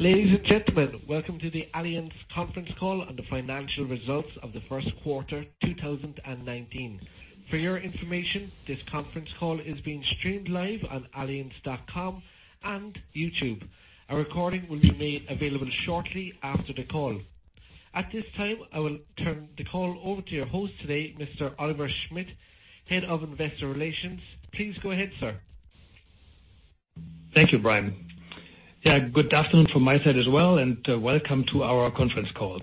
Ladies and gentlemen, welcome to the Allianz conference call on the financial results of the first quarter 2019. For your information, this conference call is being streamed live on allianz.com and YouTube. A recording will be made available shortly after the call. At this time, I will turn the call over to your host today, Mr. Oliver Schmidt, Head of Investor Relations. Please go ahead, sir. Thank you, Brian. Good afternoon from my side as well, and welcome to our conference call.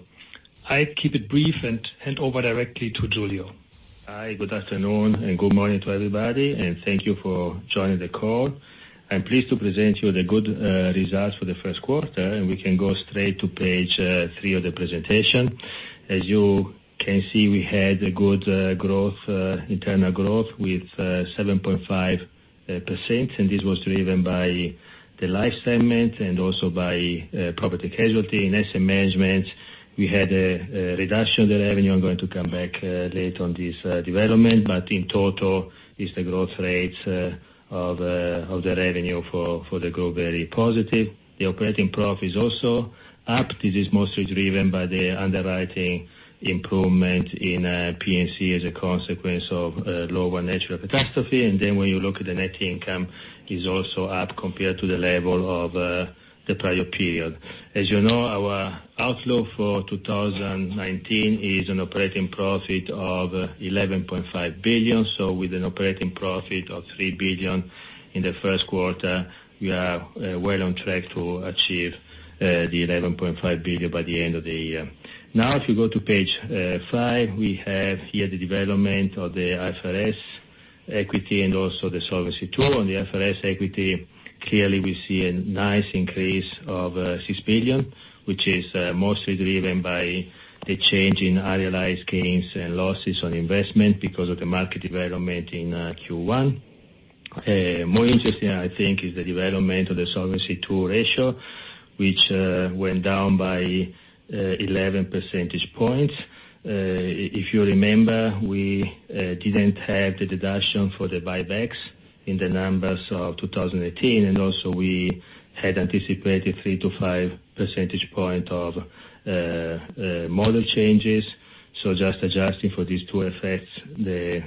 I keep it brief and hand over directly to Giulio. Hi. Good afternoon, and good morning to everybody, and thank you for joining the call. I'm pleased to present you the good results for the first quarter, and we can go straight to page three of the presentation. As you can see, we had a good internal growth with 7.5%, and this was driven by the life segment and also by Property & Casualty and asset management. We had a reduction of the revenue. I'm going to come back later on this development, but in total is the growth rate of the revenue for the group, very positive. The operating profit is also up. This is mostly driven by the underwriting improvement in P&C as a consequence of lower natural catastrophe. When you look at the net income, is also up compared to the level of the prior period. As you know, our outlook for 2019 is an operating profit of 11.5 billion. With an operating profit of 3 billion in the first quarter, we are well on track to achieve the 11.5 billion by the end of the year. If you go to page five, we have here the development of the IFRS equity and also the Solvency II. On the IFRS equity, clearly we see a nice increase of 6 billion, which is mostly driven by the change in realized gains and losses on investment because of the market development in Q1. More interesting, I think, is the development of the Solvency II ratio, which went down by 11 percentage points. If you remember, we didn't have the deduction for the buybacks in the numbers of 2018, and also we had anticipated 3 to 5 percentage point of model changes. Just adjusting for these two effects, the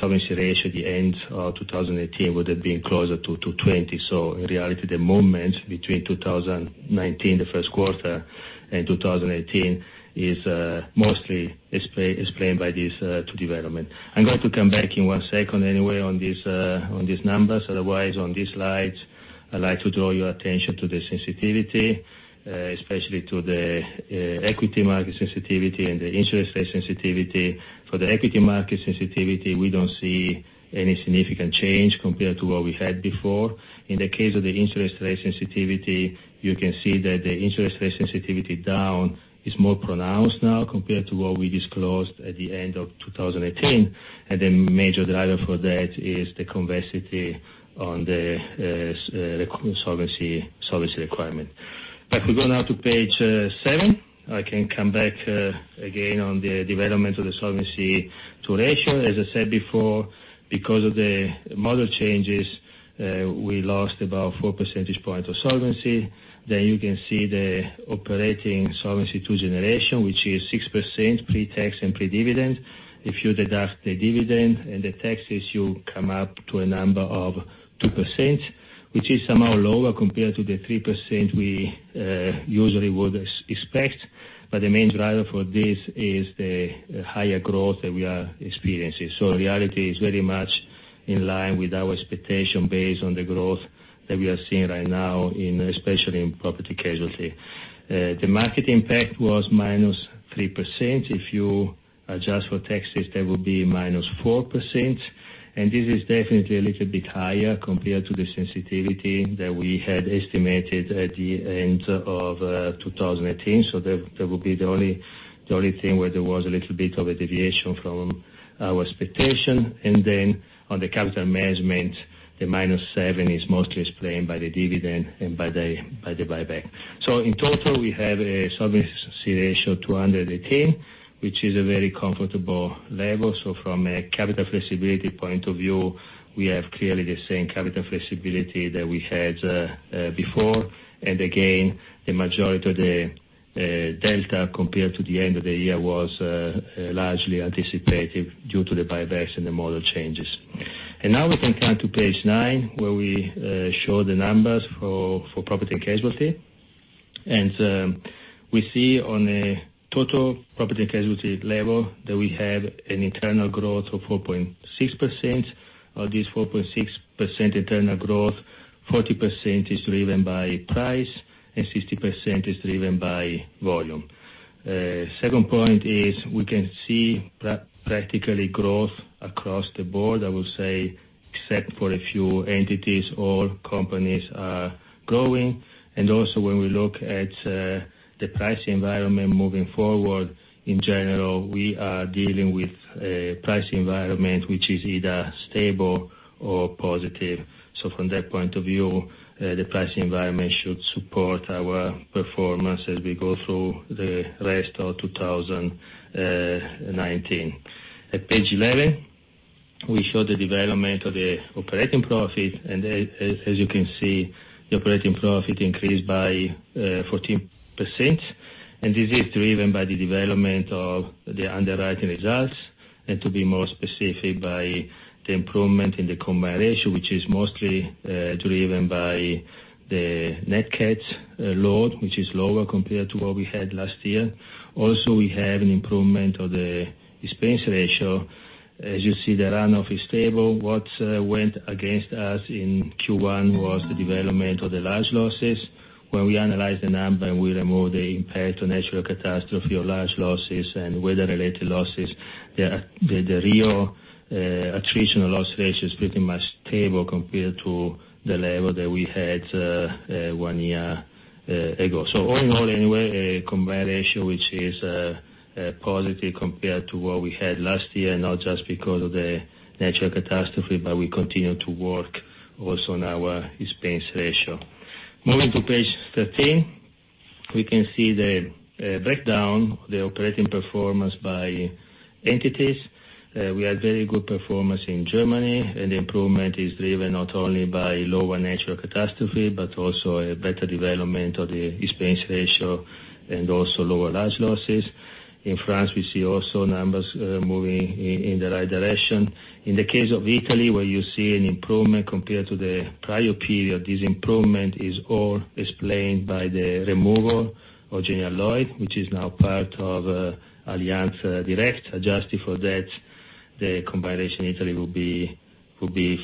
solvency ratio at the end of 2018 would have been closer to 20. In reality, the movement between 2019, the first quarter, and 2018 is mostly explained by these two developments. I'm going to come back in 1 second anyway on these numbers. Otherwise, on this slide, I'd like to draw your attention to the sensitivity, especially to the equity market sensitivity and the interest rate sensitivity. For the equity market sensitivity, we don't see any significant change compared to what we had before. In the case of the interest rate sensitivity, you can see that the interest rate sensitivity down is more pronounced now compared to what we disclosed at the end of 2018, and the major driver for that is the convexity on the solvency requirement. If we go now to page seven, I can come back again on the development of the Solvency II ratio. As I said before, because of the model changes, we lost about 4 percentage points of solvency. You can see the operating Solvency II generation, which is 6% pre-tax and pre-dividend. If you deduct the dividend and the taxes, you come up to a number of 2%, which is somehow lower compared to the 3% we usually would expect. The main driver for this is the higher growth that we are experiencing. In reality, it's very much in line with our expectation based on the growth that we are seeing right now, especially in property casualty. The market impact was -3%. If you adjust for taxes, that would be -4%. This is definitely a little bit higher compared to the sensitivity that we had estimated at the end of 2018. That would be the only thing where there was a little bit of a deviation from our expectation. On the capital management, the minus seven is mostly explained by the dividend and by the buyback. In total, we have a solvency ratio of 200/18, which is a very comfortable level. From a capital flexibility point of view, we have clearly the same capital flexibility that we had before. Again, the majority of the delta compared to the end of the year was largely anticipative due to the buybacks and the model changes. We can turn to page nine, where we show the numbers for property and casualty. We see on a total property and casualty level that we have an internal growth of 4.6%. Of this 4.6% internal growth, 40% is driven by price and 60% is driven by volume. Second point, we can see practically growth across the board, I will say, except for a few entities, all companies are growing. When we look at the price environment moving forward, in general, we are dealing with a price environment which is either stable or positive. From that point of view, the pricing environment should support our performance as we go through the rest of 2019. At page 11, we show the development of the operating profit, and as you can see, the operating profit increased by 14%. This is driven by the development of the underwriting results, and to be more specific, by the improvement in the claim ratio which is mostly driven by the net ceded load, which is lower compared to what we had last year. Also, we have an improvement of the expense ratio. As you see, the runoff is stable. What went against us in Q1 was the development of the large losses. When we analyze the number, we remove the impact of natural catastrophe or large losses and weather-related losses. The real attritional loss ratio is pretty much stable compared to the level that we had one year ago. All in all, anyway, a combined ratio which is positive compared to what we had last year, not just because of the natural catastrophe, but we continue to work also on our expense ratio. Moving to page 13, we can see the breakdown of the operating performance by entities. We have very good performance in Germany, and the improvement is driven not only by lower natural catastrophe, but also a better development of the expense ratio and also lower large losses. In France, we see also numbers moving in the right direction. In the case of Italy, where you see an improvement compared to the prior period, this improvement is all explained by the removal of Generali, which is now part of Allianz Direct. Adjusted for that, the combined ratio in Italy will be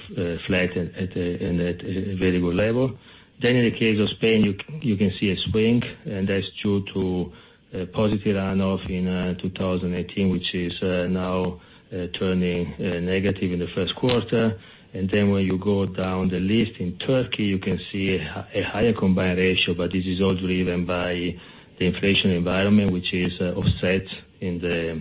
flat and at a very good level. In the case of Spain, you can see a swing, and that's due to a positive runoff in 2018, which is now turning negative in the first quarter. When you go down the list in Turkey, you can see a higher combined ratio, but this is all driven by the inflation environment, which is offset in the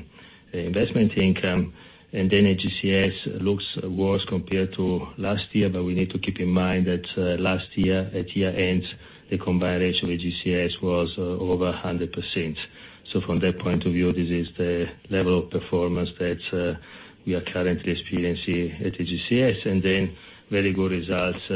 investment income. AGCS looks worse compared to last year, but we need to keep in mind that last year, at year-end, the combined ratio of AGCS was over 100%. From that point of view, this is the level of performance that we are currently experiencing at AGCS. Very good results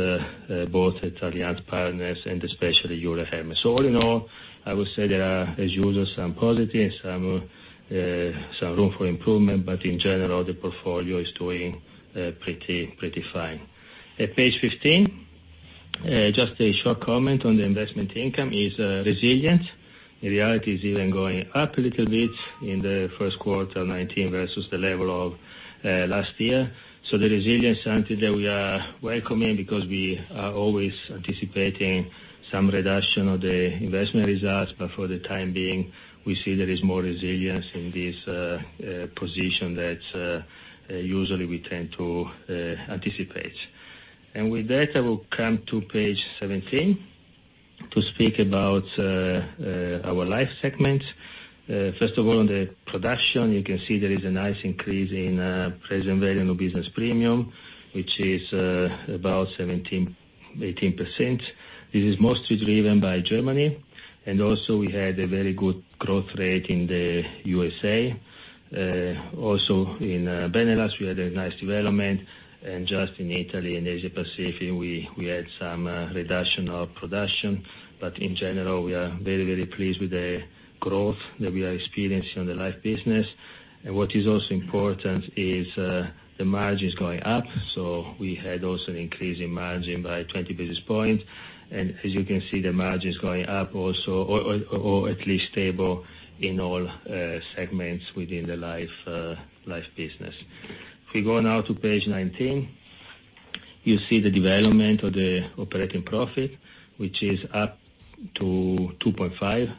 both at Allianz Partners and especially [Europa FM]. All in all, I would say there are, as usual, some positives, some room for improvement, but in general, the portfolio is doing pretty fine. At page 15, just a short comment on the investment income. It's resilient. In reality, it's even going up a little bit in the first quarter of 2019 versus the level of last year. The resilience is something that we are welcoming because we are always anticipating some reduction of the investment results. For the time being, we see there is more resilience in this position that usually we tend to anticipate. With that, I will come to page 17 to speak about our life segment. First of all, on the production, you can see there is a nice increase in present value of new business premium, which is about 17%-18%. This is mostly driven by Germany. Also we had a very good growth rate in the U.S.A. Also in Netherlands, we had a nice development. Just in Italy and Asia Pacific, we had some reduction of production. In general, we are very, very pleased with the growth that we are experiencing on the life business. What is also important is the margin is going up. We had also an increase in margin by 20 basis points. As you can see, the margin is going up also, or at least stable in all segments within the life business. If we go now to page 19, you see the development of the operating profit, which is up to 2.5%.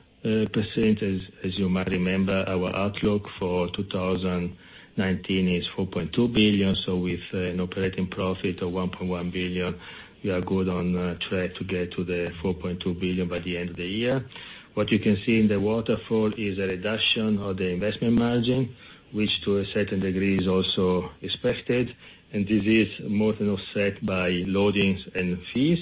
As you might remember, our outlook for 2019 is $4.2 billion. With an operating profit of $1.1 billion, we are good on track to get to the $4.2 billion by the end of the year. What you can see in the waterfall is a reduction of the investment margin, which to a certain degree is also expected, and this is more than offset by loadings and fees.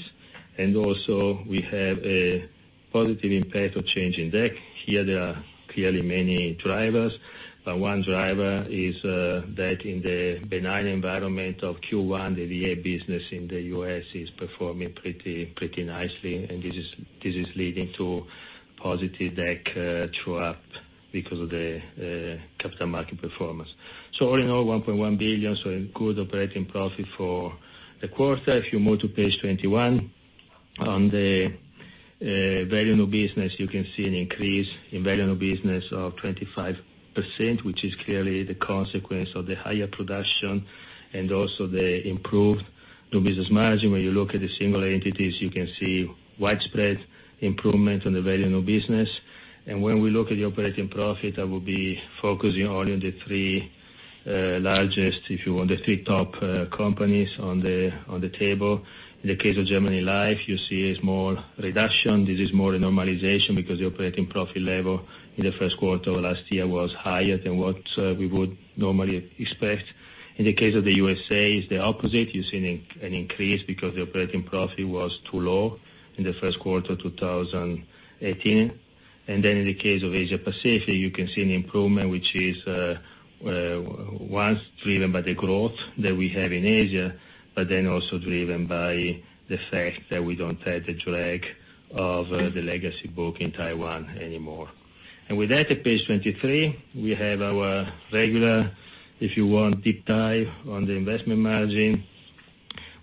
Also we have a positive impact of change in DAC. Here, there are clearly many drivers. One driver is that in the benign environment of Q1, the VA business in the U.S. is performing pretty nicely, and this is leading to positive DAC true-up because of the capital market performance. All in all, $1.1 billion, a good operating profit for the quarter. If you move to page 21, on the value of new business, you can see an increase in value of new business of 25%, which is clearly the consequence of the higher production and also the improved new business margin. When you look at the single entities, you can see widespread improvement on the value of new business. When we look at the operating profit, I will be focusing only on the three largest, if you want, the three top companies on the table. In the case of Germany Life, you see a small reduction. This is more a normalization because the operating profit level in the first quarter of last year was higher than what we would normally expect. In the case of the U.S., it's the opposite. You're seeing an increase because the operating profit was too low in the first quarter 2018. In the case of Asia Pacific, you can see an improvement, which is once driven by the growth that we have in Asia, but then also driven by the fact that we don't have the drag of the legacy book in Taiwan anymore. With that, at page 23, we have our regular, if you want, deep dive on the investment margin.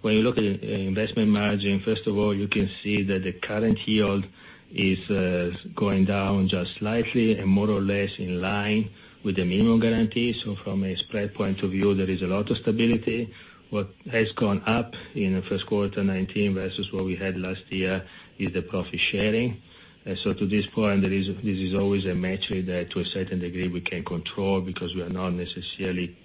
When you look at investment margin, first of all, you can see that the current yield is going down just slightly and more or less in line with the minimum guarantee. From a spread point of view, there is a lot of stability. What has gone up in the first quarter 2019 versus what we had last year is the profit sharing. To this point, this is always a metric that to a certain degree we can control, because we are not necessarily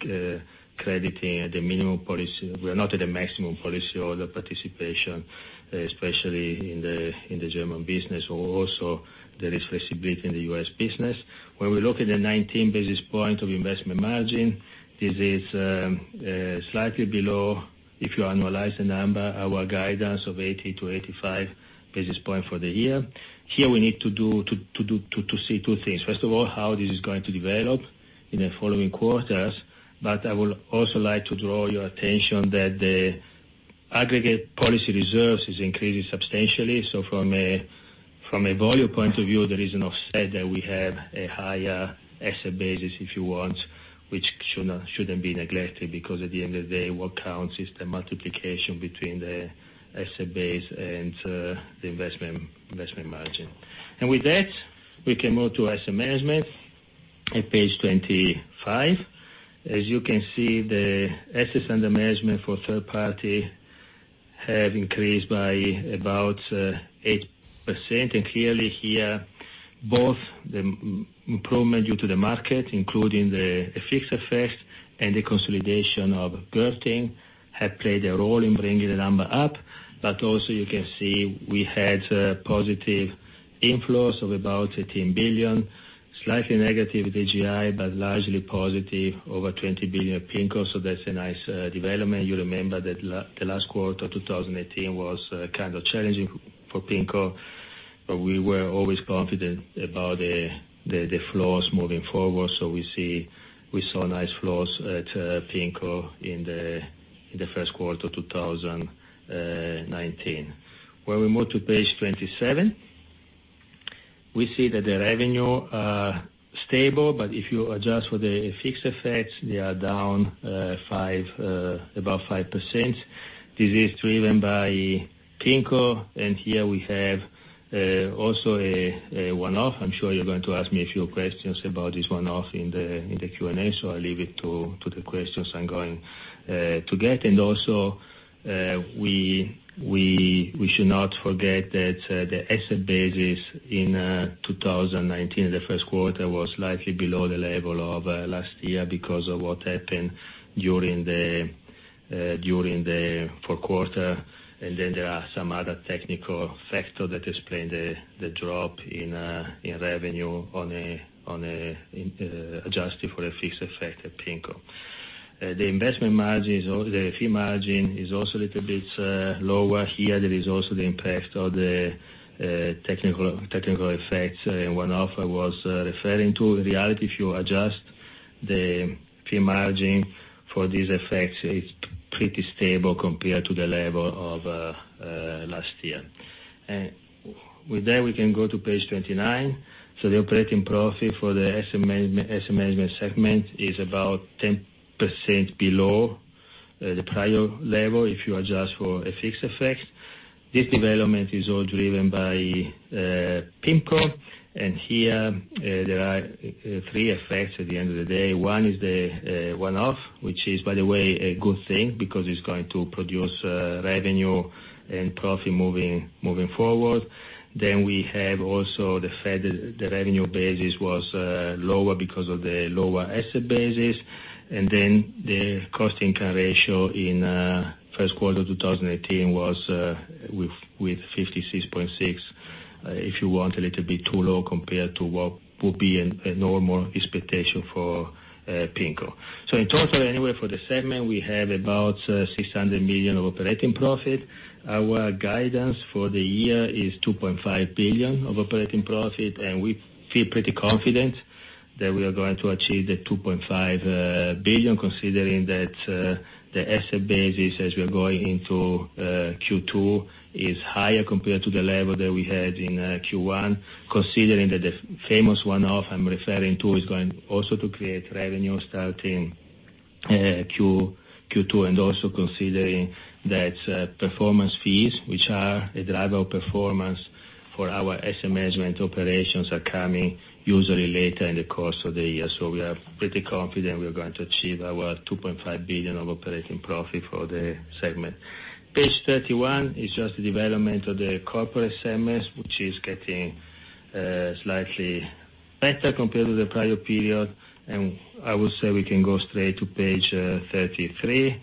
crediting at the minimum policy. We are not at the maximum policy or the participation, especially in the German business, or also there is flexibility in the U.S. business. When we look at the 19 basis points of investment margin, this is slightly below, if you annualize the number, our guidance of 80 to 85 basis points for the year. Here we need to see two things. First of all, how this is going to develop in the following quarters. I would also like to draw your attention that the aggregate policy reserves is increasing substantially. From a volume point of view, there is an offset that we have a higher asset basis, if you want, which shouldn't be neglected, because at the end of the day, what counts is the multiplication between the asset base and the investment margin. With that, we can move to asset management at page 25. As you can see, the assets under management for third party have increased by about 8%. Clearly here, both the improvement due to the market, including the fixed effect and the consolidation of Gerling, have played a role in bringing the number up. Also you can see we had positive inflows of about 18 billion. Slightly negative AGI, but largely positive, over 20 billion at PIMCO. That's a nice development. You remember that the last quarter 2018 was kind of challenging for PIMCO, we were always confident about the flows moving forward. We saw nice flows at PIMCO in the first quarter 2019. When we move to page 27, we see that the revenue are stable. If you adjust for the fixed effects, they are down above 5%. This is driven by PIMCO, and here we have also a one-off. I'm sure you're going to ask me a few questions about this one-off in the Q&A, I'll leave it to the questions I'm going to get. Also, we should not forget that the asset basis in 2019, the first quarter, was slightly below the level of last year because of what happened during the fourth quarter. There are some other technical factor that explain the drop in revenue adjusted for a fixed effect at PIMCO. The fee margin is also a little bit lower here. There is also the impact of the technical effects, one-off I was referring to. In reality, if you adjust the fee margin for these effects, it's pretty stable compared to the level of last year. With that, we can go to page 29. The operating profit for the asset management segment is about 10% below the prior level, if you adjust for a fixed effect. This development is all driven by PIMCO. Here there are three effects at the end of the day. One is the one-off, which is by the way a good thing, because it's going to produce revenue and profit moving forward. We have also the fact that the revenue basis was lower because of the lower asset basis. The cost income ratio in first quarter 2018 was with 56.6%. If you want, a little bit too low compared to what would be a normal expectation for PIMCO. In total anyway, for the segment, we have about 600 million of operating profit. Our guidance for the year is 2.5 billion of operating profit. We feel pretty confident that we are going to achieve the 2.5 billion, considering that the asset basis as we are going into Q2 is higher compared to the level that we had in Q1. Considering that the famous one-off I'm referring to is going also to create revenue starting Q2. Also considering that performance fees, which are a driver of performance for our asset management operations, are coming usually later in the course of the year. We are pretty confident we are going to achieve our 2.5 billion of operating profit for the segment. Page 31 is just the development of the corporate segments, which is getting slightly better compared to the prior period. I would say we can go straight to page 33,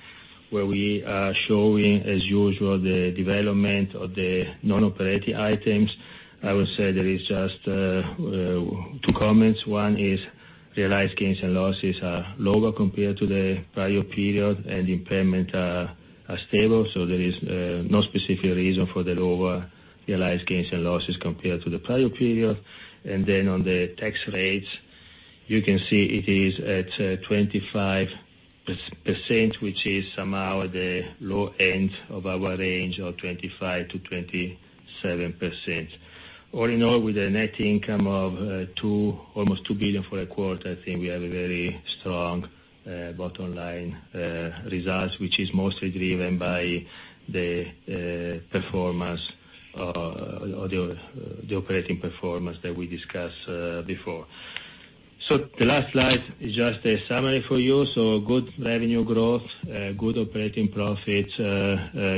where we are showing as usual, the development of the non-operating items. I would say there is just two comments. One is realized gains and losses are lower compared to the prior period and impairments are stable. There is no specific reason for the lower realized gains and losses compared to the prior period. On the tax rates, you can see it is at 25%, which is somehow the low end of our range of 25%-27%. All in all, with a net income of almost 2 billion for a quarter, I think we have a very strong bottom line result, which is mostly driven by the operating performance that we discussed before. The last slide is just a summary for you. A good revenue growth, good operating profit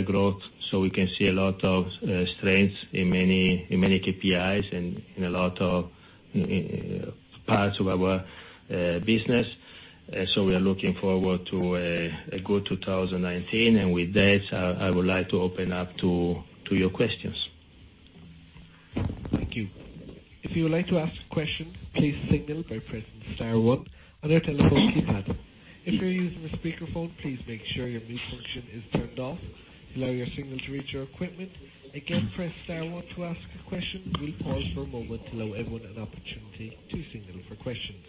growth. We can see a lot of strength in many KPIs and in a lot of parts of our business. We are looking forward to a good 2019. With that, I would like to open up to your questions. Thank you. If you would like to ask a question, please signal by pressing star one on your telephone keypad. If you're using a speakerphone, please make sure your mute function is turned off to allow your signal to reach our equipment. Again, press star one to ask a question. We'll pause for a moment to allow everyone an opportunity to signal for questions.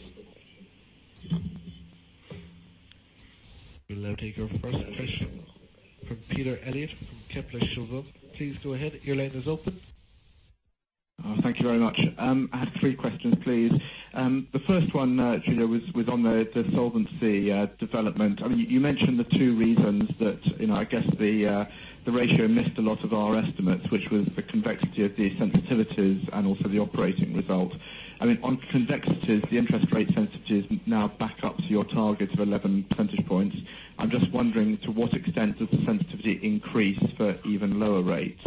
We'll now take our first question from Peter Eliot from Kepler Cheuvreux. Please go ahead. Your line is open. Thank you very much. I have three questions, please. The first one, Giulio, was on the solvency development. You mentioned the two reasons that I guess the ratio missed a lot of our estimates, which was the convexity of the sensitivities and also the operating result. On convexities, the interest rate sensitivities now back up to your target of 11 percentage points. I am just wondering to what extent does the sensitivity increase for even lower rates?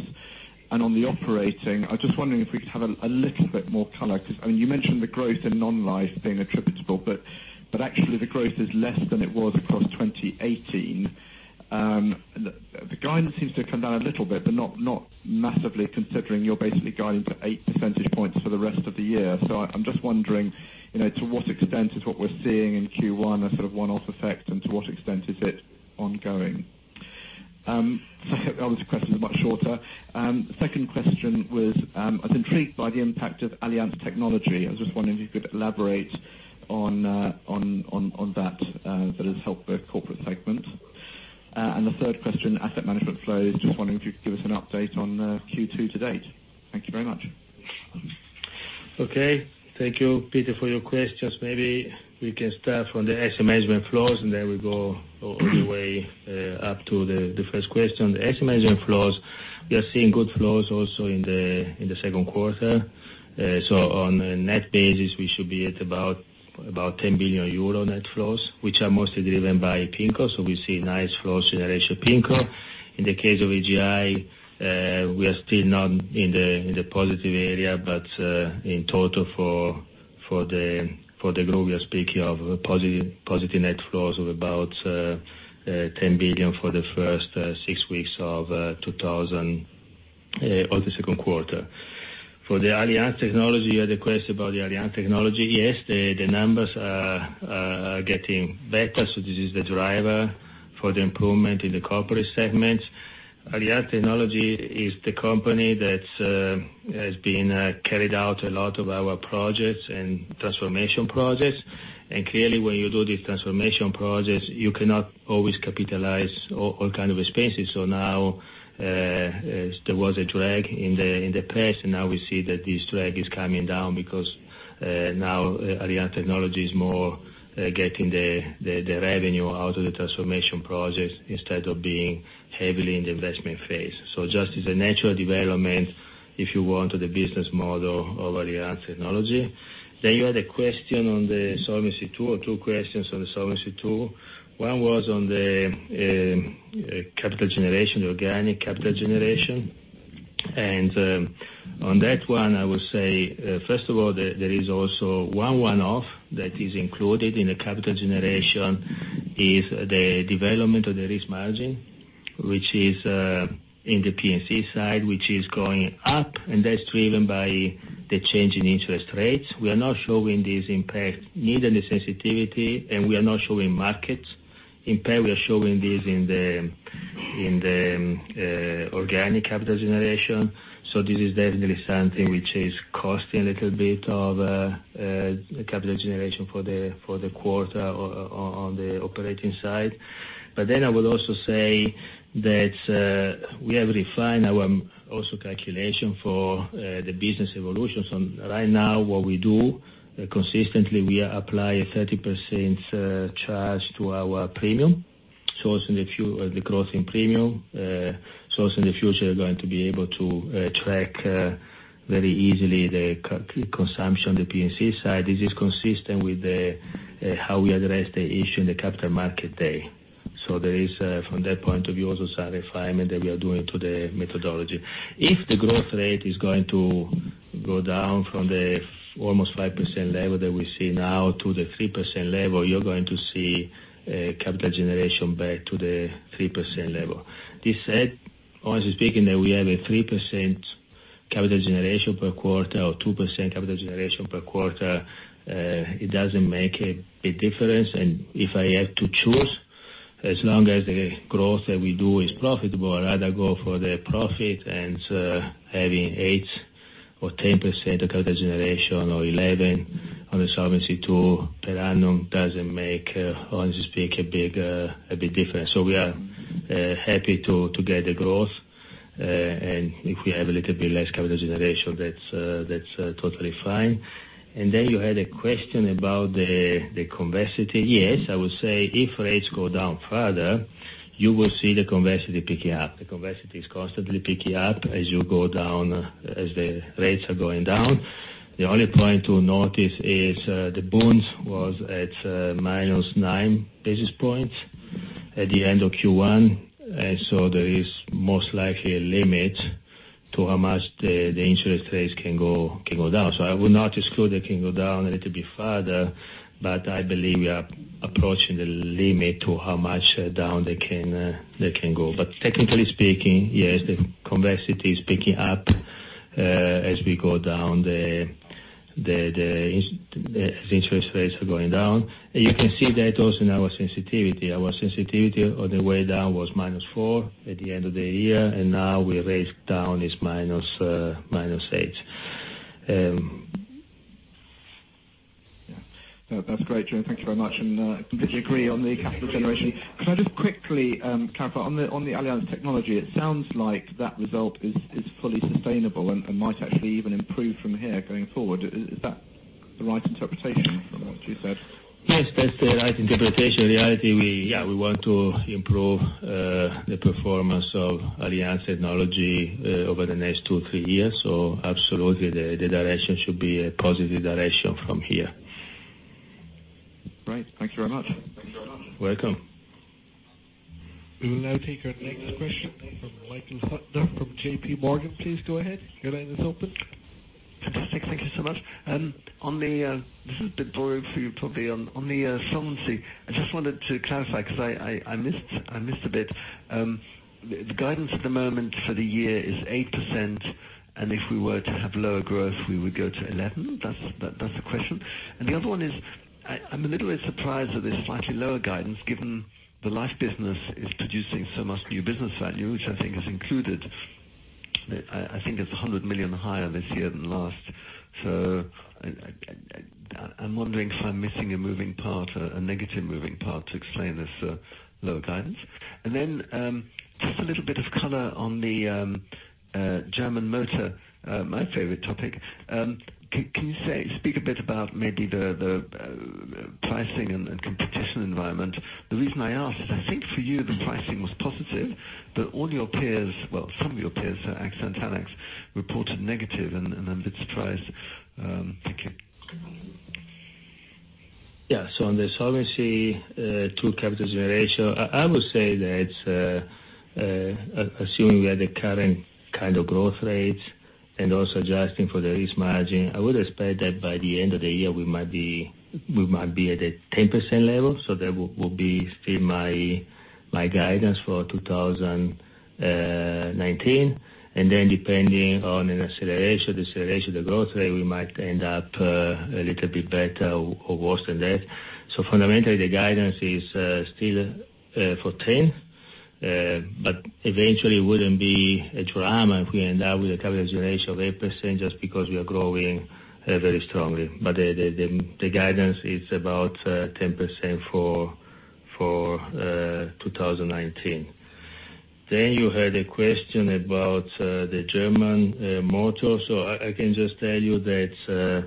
On the operating, I was just wondering if we could have a little bit more color, because you mentioned the growth in non-life being attributable, but actually the growth is less than it was across 2018. The guidance seems to have come down a little bit, but not massively considering you are basically guiding for eight percentage points for the rest of the year. I am just wondering, to what extent is what we are seeing in Q1 a sort of one-off effect, and to what extent is it ongoing? The other two questions are much shorter. Second question was, I was intrigued by the impact of Allianz Technology. I was just wondering if you could elaborate on that has helped the corporate segment. The third question, asset management flows. Just wondering if you could give us an update on Q2 to date. Thank you very much. Okay. Thank you, Peter, for your questions. Maybe we can start from the asset management flows, then we go all the way up to the first question. The asset management flows, we are seeing good flows also in the second quarter. On a net basis, we should be at about 10 billion euro net flows, which are mostly driven by PIMCO. We see nice flow generation PIMCO. In the case of AGI, we are still not in the positive area, but in total for the group, we are speaking of positive net flows of about 10 billion for the first six weeks of the second quarter. For the Allianz Technology, you had a question about the Allianz Technology. Yes, the numbers are getting better. This is the driver for the improvement in the corporate segment. Allianz Technology is the company that has been carrying out a lot of our projects and transformation projects. Clearly, when you do these transformation projects, you cannot always capitalize all kind of expenses. There was a drag in the past, we see that this drag is coming down because now Allianz Technology is more getting the revenue out of the transformation project instead of being heavily in the investment phase. Just as a natural development, if you want, of the business model of Allianz Technology. You had a question on the Solvency II, two questions on the Solvency II. One was on the capital generation, organic capital generation. On that one, I would say, first of all, there is also one one-off that is included in the capital generation, is the development of the risk margin, which is in the P&C side, which is going up, and that's driven by the change in interest rates. We are not showing this impact, neither the sensitivity, and we are not showing markets impact. We are showing this in the organic capital generation. This is definitely something which is costing a little bit of capital generation for the quarter on the operating side. I would also say that we have refined our also calculation for the business evolution. Right now what we do, consistently, we apply 30% charge to our premium. Also the growth in premium. Also in the future, we're going to be able to track very easily the consumption, the P&C side. This is consistent with how we address the issue in the capital market day. There is, from that point of view, also some refinement that we are doing to the methodology. If the growth rate is going to go down from the almost 5% level that we see now to the 3% level, you're going to see capital generation back to the 3% level. This said, honestly speaking, we have a 3% capital generation per quarter or 2% capital generation per quarter. It doesn't make a big difference. If I have to choose, as long as the growth that we do is profitable, I'd rather go for the profit and having 8% or 10% capital generation, or 11% on the Solvency II tool per annum doesn't make, honestly speaking, a big difference. We are happy to get the growth, and if we have a little bit less capital generation, that's totally fine. Then you had a question about the convexity. Yes, I would say if rates go down further, you will see the convexity picking up. The convexity is constantly picking up as the rates are going down. The only point to notice is, the bonds was at minus 9 basis points at the end of Q1. There is most likely a limit to how much the interest rates can go down. I would not exclude they can go down a little bit further, but I believe we are approaching the limit to how much down they can go. Technically speaking, yes, the convexity is picking up as the interest rates are going down. You can see that also in our sensitivity. Our sensitivity on the way down was -4 at the end of the year, now rate down is -8. That's great, Gio. Thank you very much. Completely agree on the capital generation. Could I just quickly clarify, on the Allianz Technology, it sounds like that result is fully sustainable and might actually even improve from here going forward. Is that the right interpretation from what you said? Yes, that's the right interpretation. In reality, we want to improve the performance of Allianz Technology over the next two or three years. Absolutely, the direction should be a positive direction from here. Great. Thank you very much. Welcome. We will now take our next question from Michael Huttner from J.P. Morgan. Please go ahead. Your line is open. Fantastic. Thank you so much. This is a bit broad for you, probably, on the solvency. I just wanted to clarify because I missed a bit. The guidance at the moment for the year is 8%, and if we were to have lower growth, we would go to 11? That's the question. The other one is, I'm a little bit surprised at this slightly lower guidance, given the life business is producing so much new business value, which I think is included. I think it's 100 million higher this year than last. I'm wondering if I'm missing a moving part, a negative moving part to explain this lower guidance. Then, just a little bit of color on the German motor, my favorite topic. Can you speak a bit about maybe the pricing and competition environment? The reason I ask is I think for you the pricing was positive, all your peers, well, some of your peers, AXA and Talanx, reported negative. I'm a bit surprised. Thank you. Yeah. On the Solvency II capital generation, I would say that assuming we have the current kind of growth rates and also adjusting for the risk margin, I would expect that by the end of the year, we might be at a 10% level. That would be still my guidance for 2019. Then depending on an acceleration, deceleration of the growth rate, we might end up a little bit better or worse than that. Fundamentally, the guidance is still for 10. Eventually it wouldn't be a drama if we end up with a capital generation of 8% just because we are growing very strongly. The guidance is about 10% for 2019. You had a question about the German motor. I can just tell you that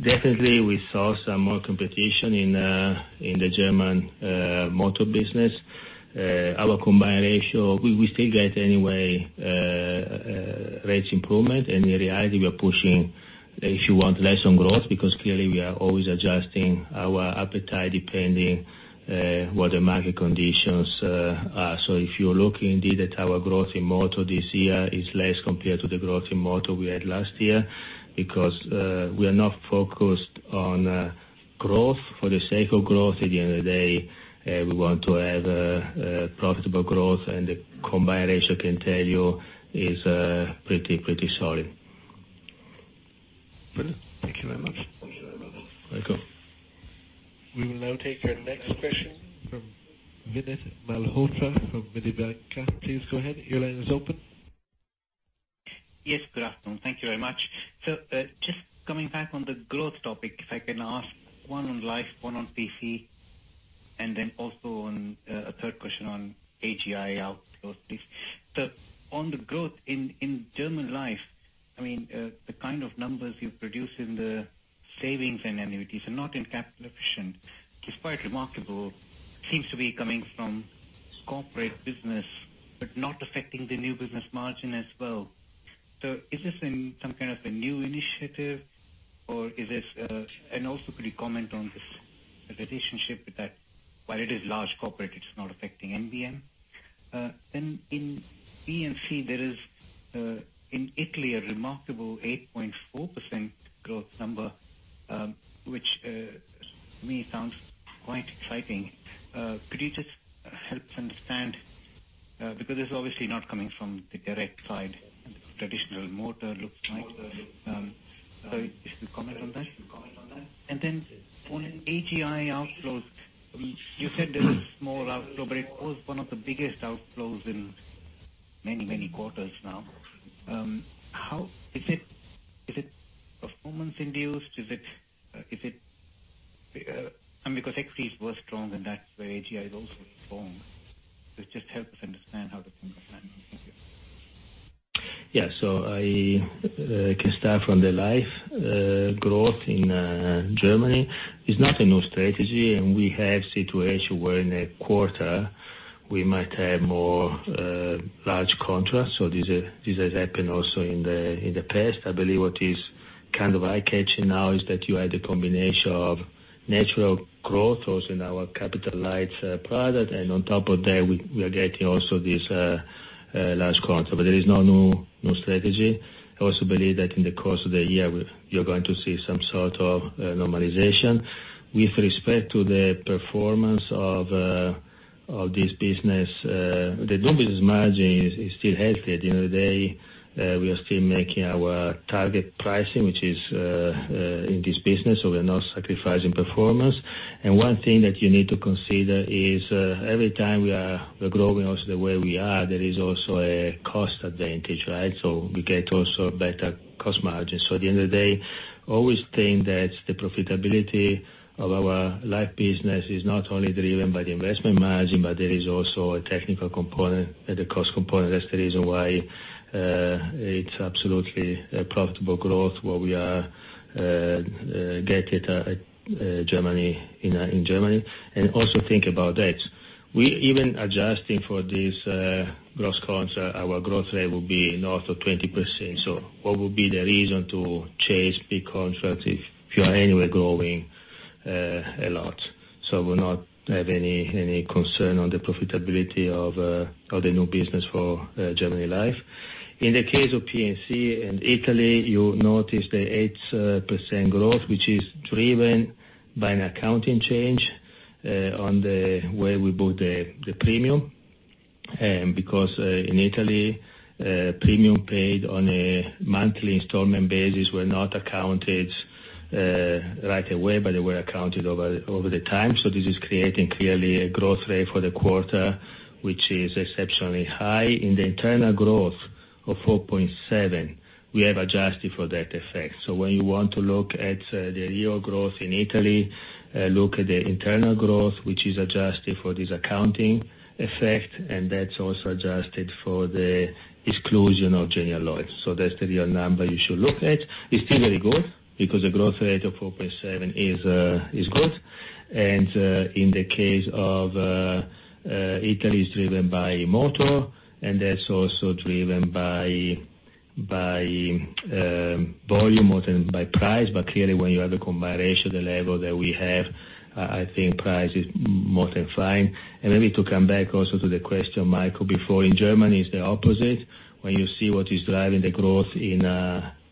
definitely we saw some more competition in the German motor business. Our combined ratio, we still get anyway rates improvement, in reality, we are pushing, if you want, less on growth, because clearly we are always adjusting our appetite depending what the market conditions are. If you look indeed at our growth in motor this year is less compared to the growth in motor we had last year, because we are not focused on growth for the sake of growth. At the end of the day, we want to have profitable growth. The combined ratio, I can tell you, is pretty solid. Brilliant. Thank you very much. Welcome. We will now take our next question from Vinit Malhotra from Mediobanca. Please go ahead. Your line is open. Yes. Good afternoon. Thank you very much. Just coming back on the growth topic, if I can ask one on life, one on P&C, and also a third question on AGI outlook, please. On the growth in Germany Life, I mean, the kind of numbers you produce in the savings and annuities are not in capital efficient. It's quite remarkable. Seems to be coming from corporate business, but not affecting the new business margin as well. Is this some kind of a new initiative or is this? Also, could you comment on this relationship with that? While it is large corporate, it's not affecting NBM. In P&C, in Italy, a remarkable 8.4% growth number, which to me sounds quite exciting. Could you just help us understand, because it's obviously not coming from the direct side, traditional motor looks like? Just a comment on that. On AGI outflows, you said there was a small outflow, but it was one of the biggest outflows in many, many quarters now. Is it performance induced? Because equities were strong and that's where AGI is also strong. Just help us understand how to comprehend. Yeah. I can start from the life growth in Germany. It's not a new strategy, and we have situation where in a quarter we might have more large contracts. This has happened also in the past. I believe what is kind of eye-catching now is that you had a combination of natural growth also in our capital lights product, and on top of that, we are getting also this large contract. There is no new strategy. I also believe that in the course of the year, you're going to see some sort of normalization. With respect to the performance of this business, the new business margin is still healthy. At the end of the day, we are still making our target pricing, which is in this business, so we're not sacrificing performance. One thing that you need to consider is every time we are growing also the way we are, there is also a cost advantage, right? We get also better cost margins. At the end of the day, always think that the profitability of our life business is not only driven by the investment margin, but there is also a technical component and the cost component. That's the reason why it's absolutely a profitable growth, what we are getting in Germany. Also think about that. Even adjusting for this gross contract, our growth rate will be north of 20%. What would be the reason to chase big contract if you are anyway growing a lot? We not have any concern on the profitability of the new business for Germany Life. In the case of P&C and Italy, you notice the 8% growth, which is driven by an accounting change, on the way we book the premium. In Italy, premium paid on a monthly installment basis were not accounted right away, but they were accounted over the time. This is creating clearly a growth rate for the quarter, which is exceptionally high. In the internal growth of 4.7, we have adjusted for that effect. When you want to look at the real growth in Italy, look at the internal growth, which is adjusted for this accounting effect, and that's also adjusted for the exclusion of General Life. That's the real number you should look at. It's still very good because the growth rate of 4.7 is good. In the case of Italy, it's driven by motor, and that's also driven by volume more than by price. Clearly, when you have the combination, the level that we have, I think price is more than fine. Maybe to come back also to the question, Michael, before. In Germany, it's the opposite. When you see what is driving the growth in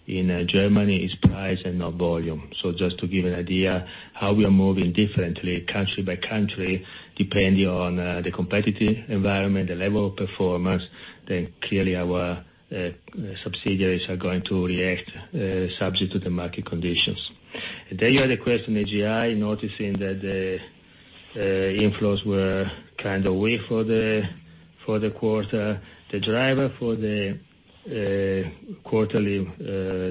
Germany, it's price and not volume. Just to give you an idea how we are moving differently country by country, depending on the competitive environment, the level of performance, clearly our subsidiaries are going to react subject to the market conditions. You had a question, AGI, noticing that the inflows were kind of weak for the quarter. The driver for the quarterly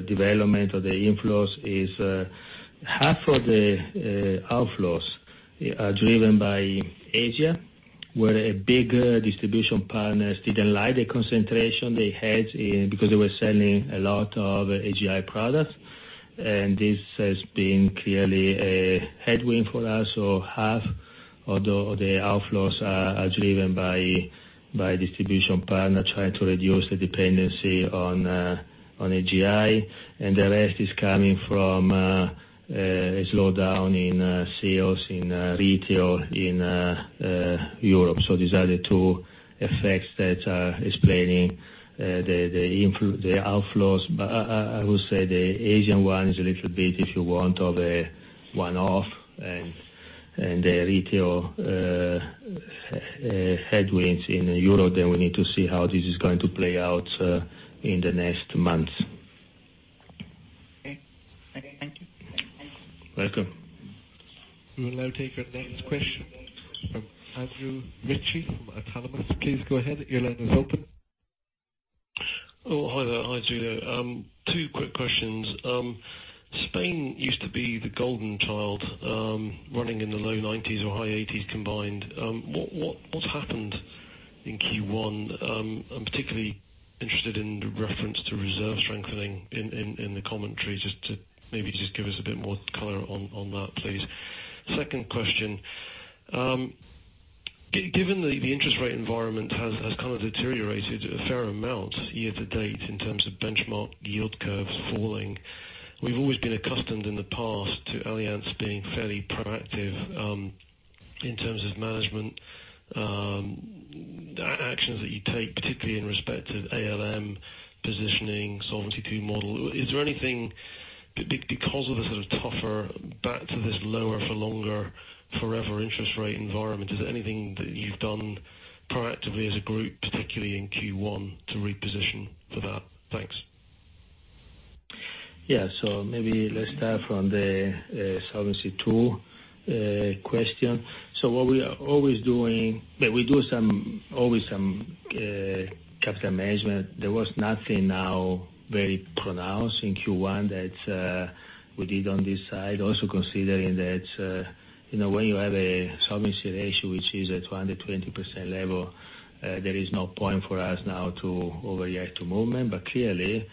development of the inflows is half of the outflows are driven by Asia, where a big distribution partners didn't like the concentration they had because they were selling a lot of AGI products. This has been clearly a headwind for us, half of the outflows are driven by distribution partner trying to reduce the dependency on AGI, and the rest is coming from a slowdown in sales in retail in Europe. These are the two effects that are explaining the outflows. I would say the Asian one is a little bit, if you want, of a one-off, and the retail headwinds in Europe, we need to see how this is going to play out in the next months. Okay. Thank you. Welcome. We will now take our next question from Andrew Ritchie from Autonomous Research. Please go ahead. Your line is open. Hi there. Hi, Giulio. Two quick questions. Spain used to be the golden child, running in the low nineties or high eighties combined. What's happened in Q1? I am particularly interested in the reference to reserve strengthening in the commentary, just to maybe just give us a bit more color on that, please. Second question. Given that the interest rate environment has kind of deteriorated a fair amount year-to-date in terms of benchmark yield curves falling, we have always been accustomed in the past to Allianz being fairly proactive in terms of management actions that you take, particularly in respect to ALM positioning, Solvency II model. Because of the tougher back to this lower for longer forever interest rate environment, is there anything that you have done proactively as a group, particularly in Q1, to reposition for that? Thanks. Yeah. Maybe let's start from the Solvency II question. What we are always doing, we do always some capital management. There was nothing now very pronounced in Q1 that we did on this side. Also considering that when you have a solvency ratio which is at 220% level, there is no point for us now to overreact to movement. Clearly,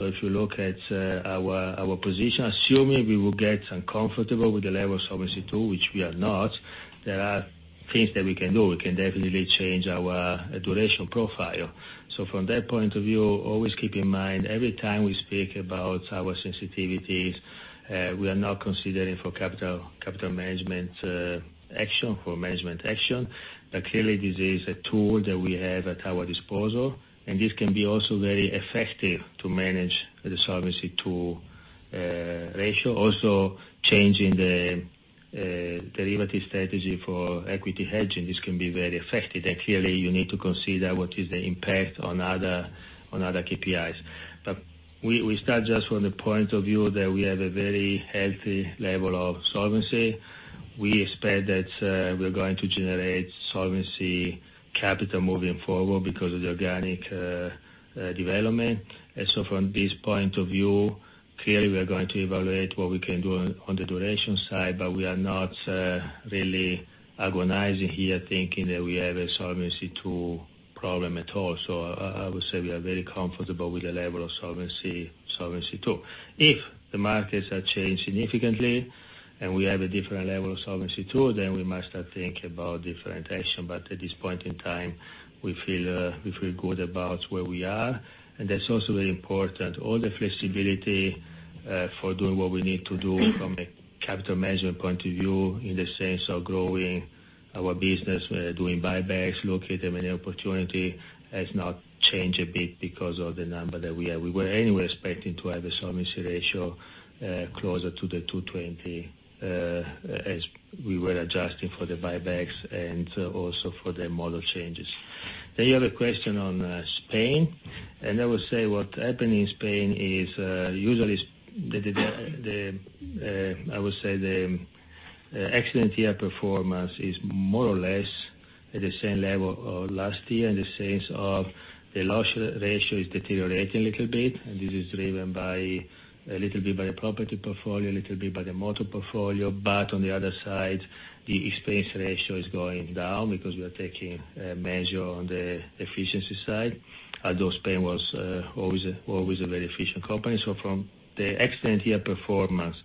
if you look at our position, assuming we will get uncomfortable with the level of Solvency II, which we are not, there are things that we can do. We can definitely change our duration profile. From that point of view, always keep in mind, every time we speak about our sensitivities, we are now considering for capital management action, for management action. Clearly, this is a tool that we have at our disposal, and this can be also very effective to manage the Solvency II ratio. Also, changing the derivative strategy for equity hedging, this can be very effective. Clearly, you need to consider what is the impact on other KPIs. We start just from the point of view that we have a very healthy level of solvency. We expect that we're going to generate solvency capital moving forward because of the organic development. From this point of view, clearly, we are going to evaluate what we can do on the duration side, but we are not really agonizing here, thinking that we have a Solvency II problem at all. I would say we are very comfortable with the level of Solvency II. If the markets are changed significantly, and we have a different level of Solvency II, we must start think about different action. At this point in time, we feel good about where we are, and that's also very important. All the flexibility for doing what we need to do from a capital management point of view, in the sense of growing our business, doing buybacks, look at them any opportunity, has not changed a bit because of the number that we have. We were anyway expecting to have a solvency ratio closer to the 220, as we were adjusting for the buybacks and also for the model changes. You have a question on Spain. I would say what happened in Spain is usually, I would say the accident year performance is more or less at the same level of last year in the sense of the loss ratio is deteriorating a little bit. This is driven a little bit by the property portfolio, a little bit by the motor portfolio. On the other side, the expense ratio is going down because we are taking measure on the efficiency side. Although Spain was always a very efficient company. From the accident year performance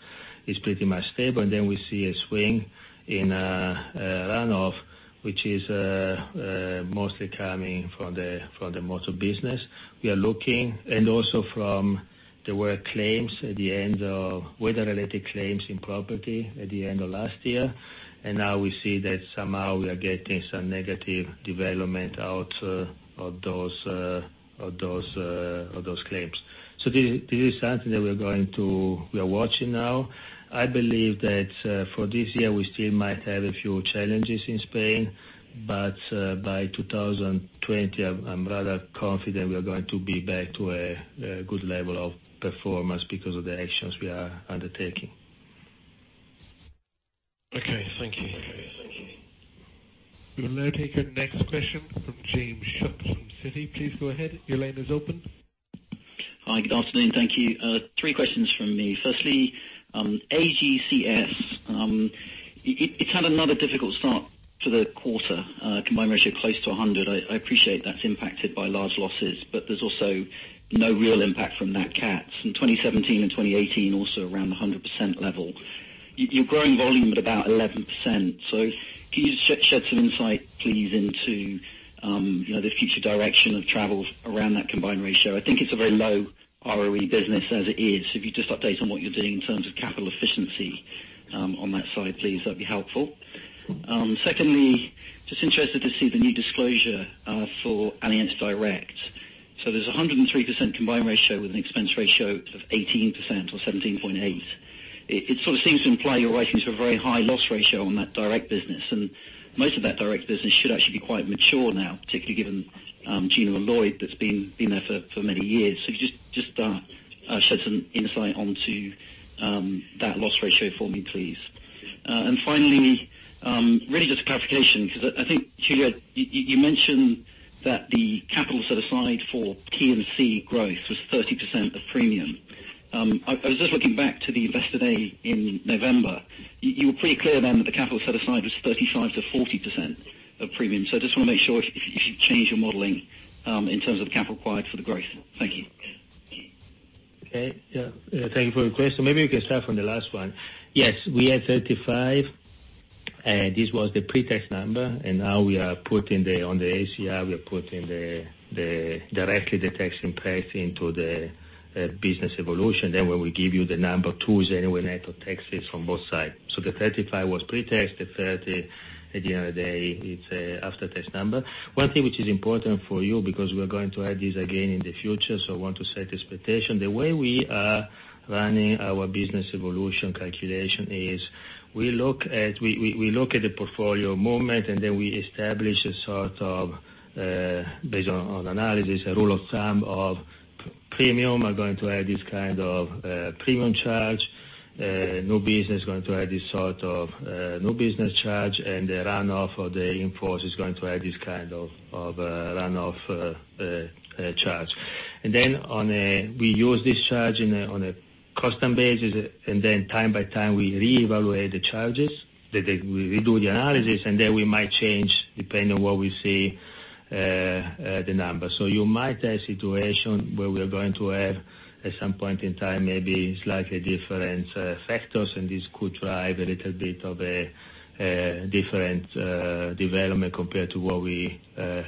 is pretty much stable. We see a swing in runoff, which is mostly coming from the motor business. We are looking, also from there were weather-related claims in property at the end of last year. We see that somehow we are getting some negative development out of those claims. This is something that we're watching now. I believe that for this year, we still might have a few challenges in Spain. By 2020, I'm rather confident we are going to be back to a good level of performance because of the actions we are undertaking. Okay. Thank you. We will now take a next question from James Shuck from Citi. Please go ahead. Your line is open. Hi. Good afternoon. Thank you. Three questions from me. Firstly, AGCS. It's had another difficult start to the quarter. Combined ratio close to 100. I appreciate that's impacted by large losses, but there's also no real impact from that cat. In 2017 and 2018, also around 100% level. You're growing volume at about 11%. Can you shed some insight, please, into the future direction of travels around that combined ratio? I think it's a very low ROE business as it is. If you just update on what you're doing in terms of capital efficiency on that side, please, that'd be helpful. Secondly, just interested to see the new disclosure for Allianz Direct. There's 103% combined ratio with an expense ratio of 18% or 17.8. It sort of seems to imply you're writing to a very high loss ratio on that Direct business. Most of that Direct business should actually be quite mature now, particularly given Genialloyd that's been there for many years. Just shed some insight onto that loss ratio for me, please. Finally, really just a clarification, because I think, Giulio, you mentioned that the capital set aside for P&C growth was 30% of premium. I was just looking back to the Investor Day in November. You were pretty clear then that the capital set aside was 35%-40% of premium. I just want to make sure if you've changed your modeling in terms of capital required for the growth. Thank you. Okay. Yeah. Thank you for the question. Maybe we can start from the last one. Yes, we had 35%, and this was the pre-tax number, on the ACR, we are putting the directly detection price into the business evolution. We will give you the number tools, anyway, net of taxes from both sides. The 35% was pre-tax, the 30%, at the end of the day, it's a after-tax number. One thing which is important for you, because we're going to add this again in the future, I want to set expectation. The way we are running our business evolution calculation is we look at the portfolio movement, and then we establish, based on analysis, a rule of thumb of premium are going to add this kind of premium charge. New business is going to add this sort of new business charge, the run-off of the in-force is going to add this kind of run-off charge. Then we use this charge on a custom basis, then time by time, we reevaluate the charges, we redo the analysis, then we might change, depending on what we see, the numbers. You might have situation where we're going to have, at some point in time, maybe slightly different factors, and this could drive a little bit of a different development compared to what we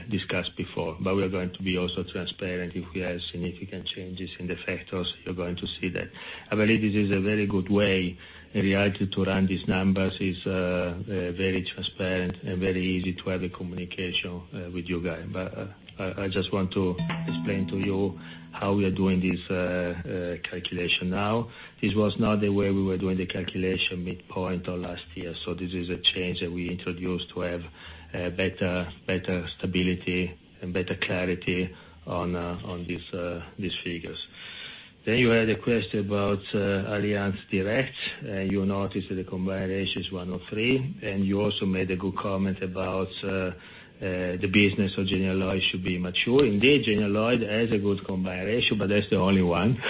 discussed before. We are going to be also transparent. If we have significant changes in the factors, you're going to see that. I believe this is a very good way, in reality, to run these numbers. It's very transparent and very easy to have the communication with you guys. I just want to explain to you how we are doing this calculation now. This was not the way we were doing the calculation midpoint of last year. This is a change that we introduced to have better stability and better clarity on these figures. You had a question about Allianz Direct. You notice that the combined ratio is 103, and you also made a good comment about the business of Genialloyd should be mature. Indeed, Genialloyd has a good combined ratio, but that's the only one.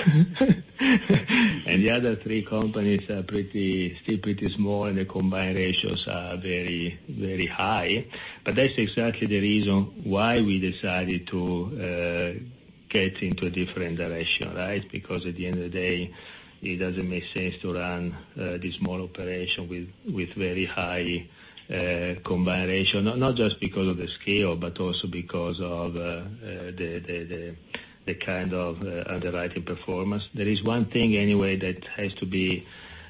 The other three companies are still pretty small, and the combined ratios are very high. That's exactly the reason why we decided to get into a different direction. At the end of the day, it doesn't make sense to run this small operation with very high combined ratio. Not just because of the scale, but also because of the kind of underwriting performance. There is one thing, anyway, that has to be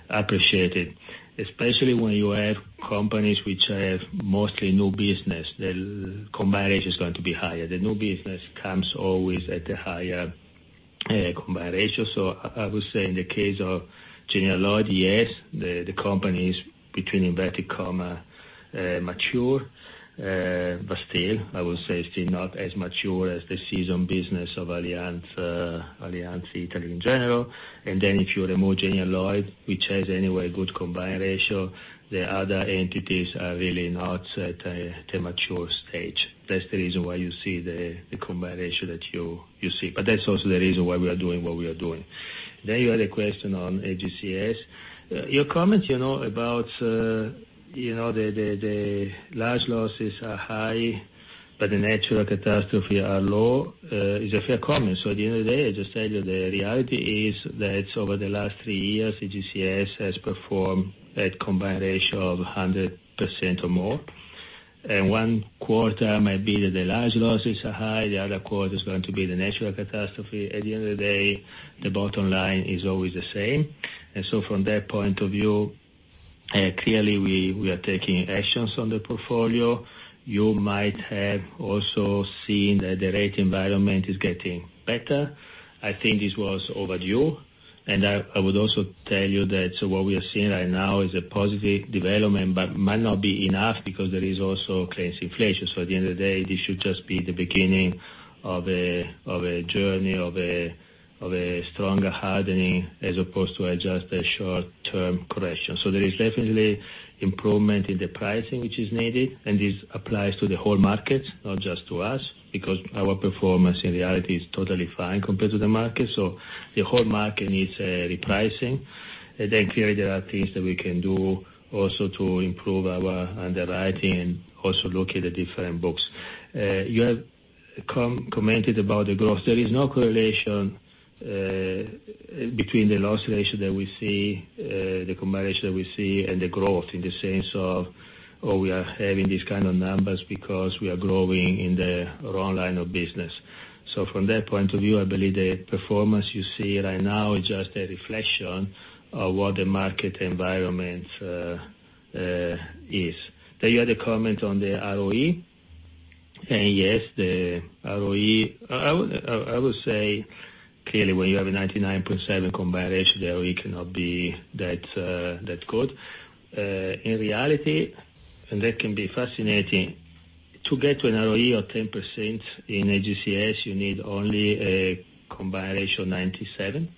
appreciated. Especially when you have companies which have mostly new business, the combined ratio is going to be higher. The new business comes always at a higher combined ratio. I would say in the case of Genialloyd, yes, the company is, between inverted comma, mature. Still, I would say still not as mature as the seasoned business of Allianz Italy in general. If you remove Genialloyd, which has, anyway, a good combined ratio, the other entities are really not at a mature stage. That is the reason why you see the combined ratio that you see. That is also the reason why we are doing what we are doing. You had a question on AGCS. Your comment about the large losses are high, but the natural catastrophe are low, is a fair comment. At the end of the day, I just tell you, the reality is that over the last three years, AGCS has performed at combined ratio of 100% or more. One quarter might be that the large losses are high, the other quarter is going to be the natural catastrophe. At the end of the day, the bottom line is always the same. From that point of view, clearly, we are taking actions on the portfolio. You might have also seen that the rate environment is getting better. I think this was overdue. I would also tell you that what we are seeing right now is a positive development, but might not be enough because there is also claims inflation. At the end of the day, this should just be the beginning of a journey of a stronger hardening, as opposed to just a short-term correction. There is definitely improvement in the pricing which is needed, and this applies to the whole market, not just to us, because our performance, in reality, is totally fine compared to the market. The whole market needs repricing. Clearly, there are things that we can do also to improve our underwriting and also look at the different books. You have commented about the growth. There is no correlation between the loss ratio that we see, the combined ratio that we see, and the growth, in the sense of, we are having these kind of numbers because we are growing in the wrong line of business. From that point of view, I believe the performance you see right now is just a reflection of what the market environment is. You had a comment on the ROE. Yes, the ROE, I would say, clearly, when you have a 99.7 combined ratio, the ROE cannot be that good. In reality, and that can be fascinating, to get to an ROE of 10% in AGCS, you need only a combined ratio of 97,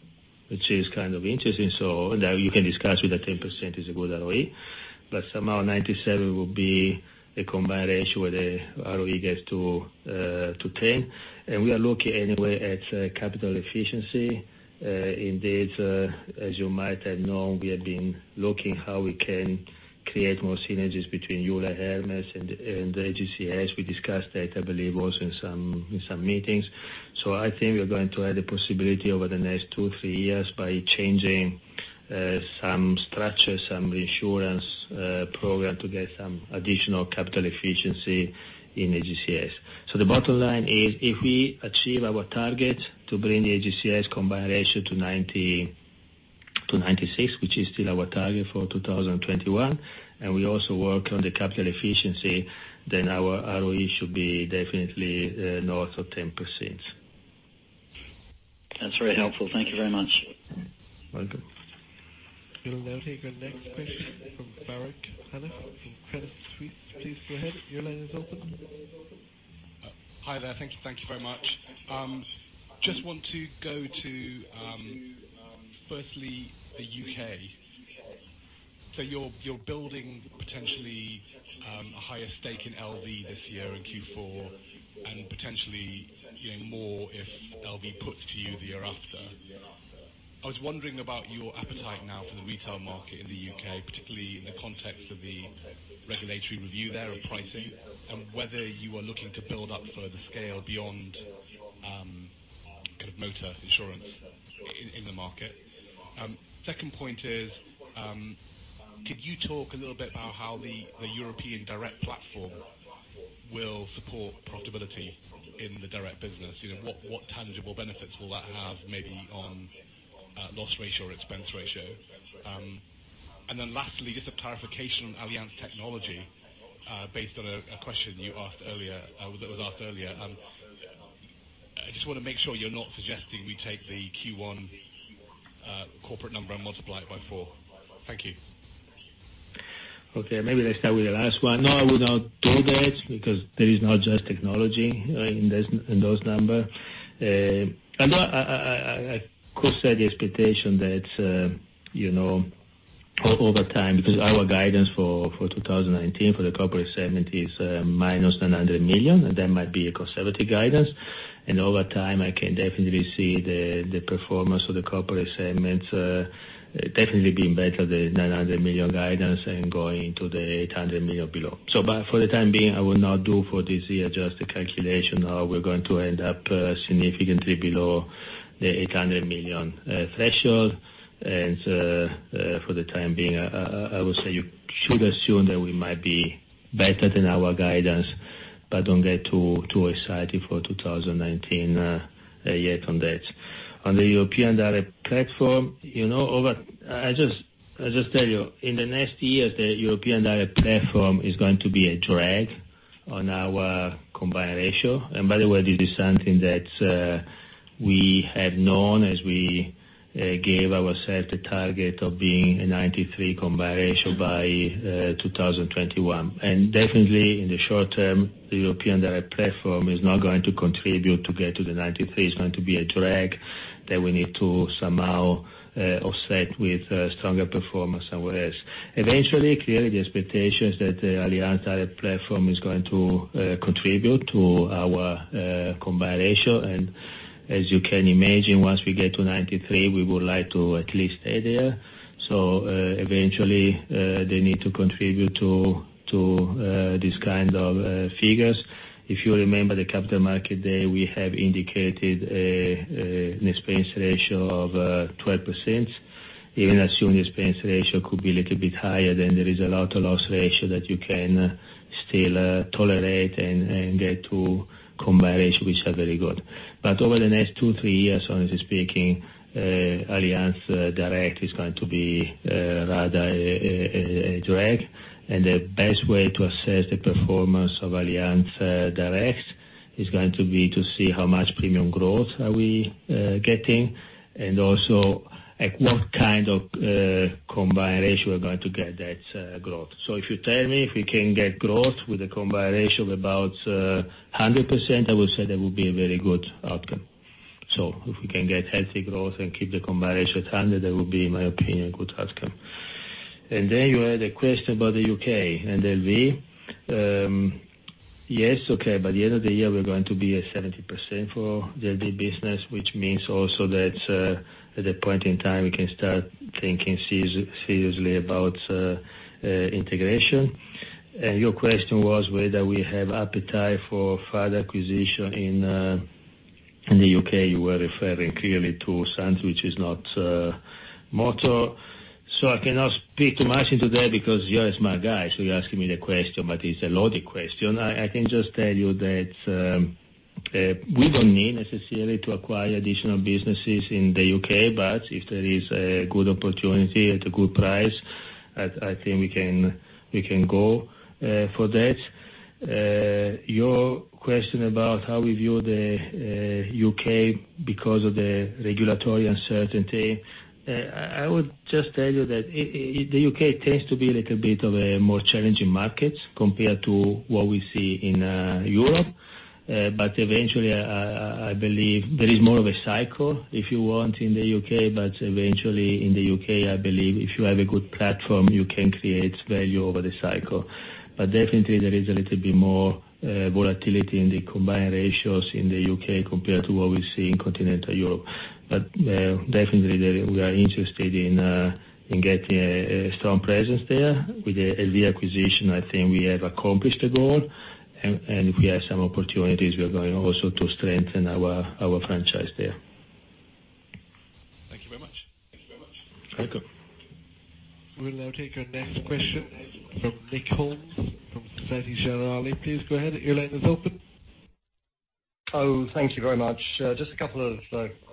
which is kind of interesting. You can discuss with a 10% is a good ROE. Somehow 97 will be the combined ratio where the ROE gets to 10. We are looking, anyway, at capital efficiency. Indeed, as you might have known, we have been looking how we can create more synergies between Euler Hermes and AGCS. We discussed that, I believe, also in some meetings. I think we're going to have the possibility over the next two, three years by changing some structure, some reinsurance program to get some additional capital efficiency in AGCS. The bottom line is, if we achieve our target to bring the AGCS combined ratio to 96, which is still our target for 2021, and we also work on the capital efficiency, then our ROE should be definitely north of 10%. That's very helpful. Thank you very much. Welcome. We'll now take our next question from Farooq Hanif from Credit Suisse. Please go ahead. Your line is open. Hi there. Thank you very much. Just want to go to, firstly, the U.K. You're building potentially a higher stake in LV= this year in Q4, and potentially getting more if LV= puts to you the year after. I was wondering about your appetite now for the retail market in the U.K., particularly in the context of the regulatory review there of pricing and whether you are looking to build up further scale beyond motor insurance in the market. Second point is, could you talk a little bit about how the European direct platform will support profitability in the direct business? What tangible benefits will that have maybe on loss ratio or expense ratio? Lastly, just a clarification on Allianz Technology, based on a question that was asked earlier. I just want to make sure you're not suggesting we take the Q1 corporate number and multiply it by four. Thank you. Okay, maybe let's start with the last one. No, I would not do that because there is not just technology in those number. I could set the expectation that over time, because our guidance for 2019 for the corporate segment is -900 million, that might be a conservative guidance. Over time, I can definitely see the performance of the corporate segment definitely being better than 900 million guidance and going to the 800 million below. For the time being, I will not do for this year just the calculation how we're going to end up significantly below the 800 million threshold. For the time being, I would say you should assume that we might be better than our guidance, but don't get too excited for 2019 yet on that. On the European direct platform, I just tell you, in the next years, the European direct platform is going to be a drag on our combined ratio. By the way, this is something that we have known as we gave ourselves the target of being a 93% combined ratio by 2021. Definitely, in the short term, the European direct platform is not going to contribute to get to the 93%. It's going to be a drag that we need to somehow offset with stronger performance somewhere else. Eventually, clearly, the expectation is that the Allianz Direct platform is going to contribute to our combined ratio. As you can imagine, once we get to 93%, we would like to at least stay there. Eventually, they need to contribute to these kind of figures. If you remember the capital market day, we have indicated an expense ratio of 12%. Even assuming expense ratio could be a little bit higher, there is a lot of loss ratio that you can still tolerate and get to combined ratio, which are very good. Over the next two, three years, honestly speaking, Allianz Direct is going to be rather a drag. The best way to assess the performance of Allianz Direct is going to be to see how much premium growth are we getting, and also at what kind of combined ratio we're going to get that growth. If you tell me if we can get growth with a combined ratio of about 100%, I would say that would be a very good outcome. If we can get healthy growth and keep the combined ratio at 100, that would be, in my opinion, a good outcome. You had a question about the U.K. and LV=. Yes, okay. By the end of the year, we are going to be at 70% for the LV= business, which means also that at that point in time, we can start thinking seriously about integration. Your question was whether we have appetite for further acquisition in the U.K. You were referring clearly to [Sands], which is not motor. I cannot speak too much into that because you're a smart guy, so you're asking me the question, but it's a loaded question. I can just tell you that we don't need necessarily to acquire additional businesses in the U.K., but if there is a good opportunity at a good price, I think we can go for that. Your question about how we view the U.K. because of the regulatory uncertainty, I would just tell you that the U.K. tends to be a little bit of a more challenging market compared to what we see in Europe. Eventually, I believe there is more of a cycle, if you want, in the U.K., but eventually in the U.K., I believe if you have a good platform, you can create value over the cycle. Definitely, there is a little bit more volatility in the combined ratios in the U.K. compared to what we see in continental Europe. Definitely, we are interested in getting a strong presence there. With the LV= acquisition, I think we have accomplished the goal. If we have some opportunities, we are going also to strengthen our franchise there. Thank you very much. Very good. We'll now take our next question from Nick Holmes from Societe Generale. Please go ahead. Your line is open. Oh, thank you very much. Just a couple of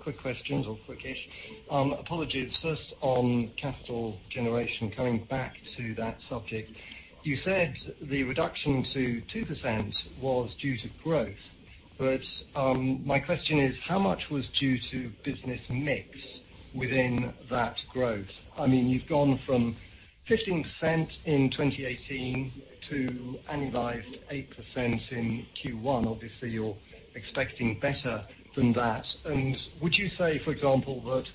quick questions, or quickish. Apologies. First on capital generation, coming back to that subject. You said the reduction to 2% was due to growth, but my question is, how much was due to business mix within that growth? You've gone from 15% in 2018 to annualized 8% in Q1. Obviously, you're expecting better than that. Would you say, for example, that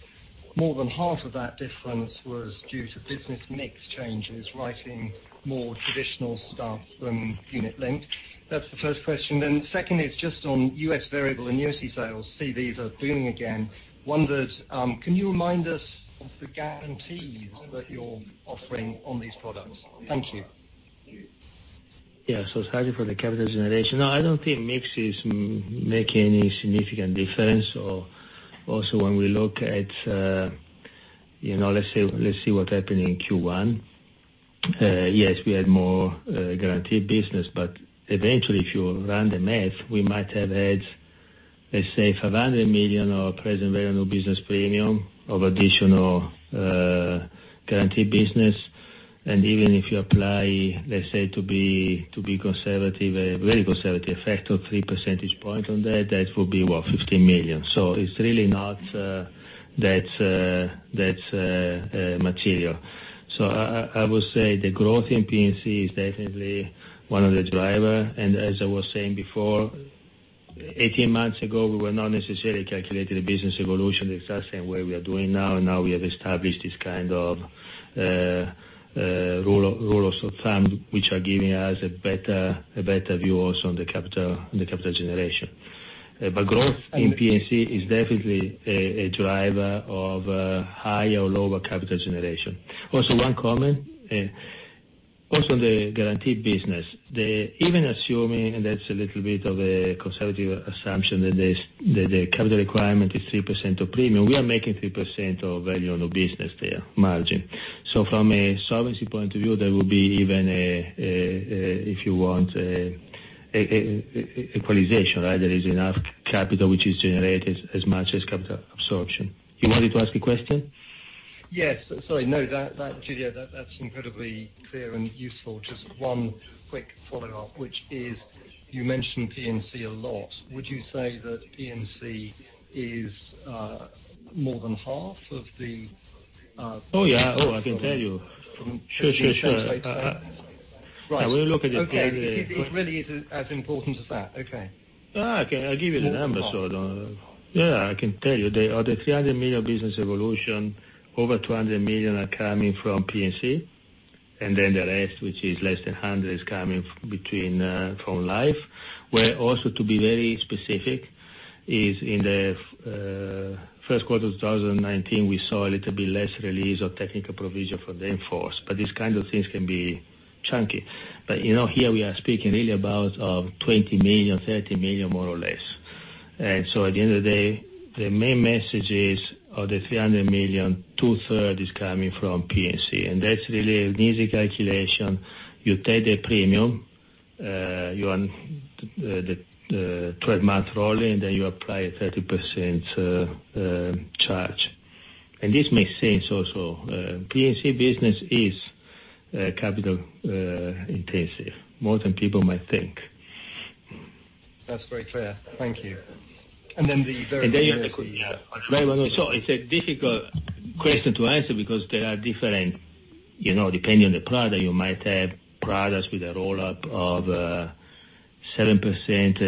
more than half of that difference was due to business mix changes, writing more traditional stuff than unit link? That's the first question. The second is just on U.S. variable annuity sales. See these are booming again. Wondered, can you remind us of the guarantees that you're offering on these products? Thank you. Yeah. Sorry for the capital generation. I don't think mix is making any significant difference, or also when we look at, let's see what happened in Q1. Yes, we had more guaranteed business, but eventually, if you run the math, we might have had, let's say, 500 million of present value of new business premium of additional guaranteed business. Even if you apply, let's say, to be conservative, a very conservative effect of 3 percentage point on that would be, what, 15 million. It's really not that material. I would say the growth in P&C is definitely one of the driver. As I was saying before, 18 months ago, we were not necessarily calculating the business evolution the exact same way we are doing now, and now we have established this kind of rule of thumb, which are giving us a better view also on the capital generation. Growth in P&C is definitely a driver of higher or lower capital generation. Also one comment, also on the guaranteed business. Even assuming, and that's a little bit of a conservative assumption, that the capital requirement is 3% of premium, we are making 3% of value on the business there, margin. From a solvency point of view, there will be even a, if you want, equalization, right? There is enough capital which is generated as much as capital absorption. You wanted to ask a question? Yes. Sorry. No, that's incredibly clear and useful. Just one quick follow-up, which is, you mentioned P&C a lot. Would you say that P&C is more than half of the- Oh, yeah. Oh, I can tell you. From- Sure. Right. We look at the- Okay. It really isn't as important as that. Okay. Okay, I'll give you the numbers. Yeah, I can tell you. Out of the 300 million business evolution, over 200 million are coming from P&C, then the rest, which is less than 100 million, is coming from life. Where also to be very specific is in the first quarter of 2019, we saw a little bit less release of technical provision for the in-force. These kind of things can be chunky. Here we are speaking really about 20 million, 30 million, more or less. At the end of the day, the main message is, of the 300 million, two-third is coming from P&C. That's really an easy calculation. You take the premium, you earn the 12-month roll, then you apply a 30% charge. This makes sense also. P&C business is capital intensive, more than people might think. That's very clear. Thank you. Then the very- It's a difficult question to answer because there are different, depending on the product, you might have products with a roll-up of 7%.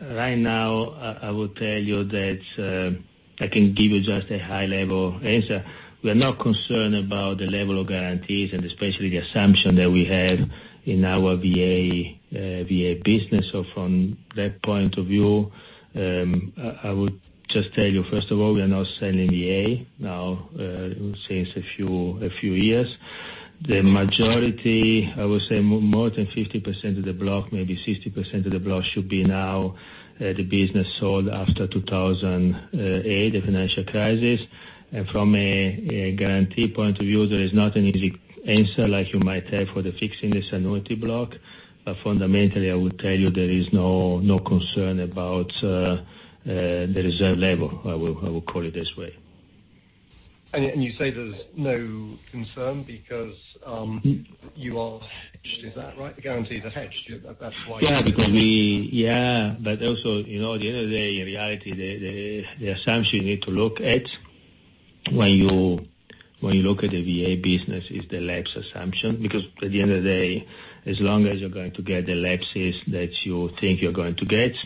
Right now, I will tell you that I can give you just a high-level answer. We are not concerned about the level of guarantees and especially the assumption that we have in our VA business. From that point of view, I would just tell you, first of all, we are not selling VA now, since a few years. The majority, I would say more than 50% of the block, maybe 60% of the block should be now the business sold after 2008, the financial crisis. From a guarantee point of view, there is not an easy answer like you might have for the fixed index annuity block. Fundamentally, I would tell you there is no concern about the reserve level. I will call it this way. You say there's no concern because you are hedged, is that right? The guarantees are hedged. Also, at the end of the day, in reality, the assumption you need to look at when you look at the VA business is the lapse assumption. Because at the end of the day, as long as you're going to get the lapses that you think you're going to get,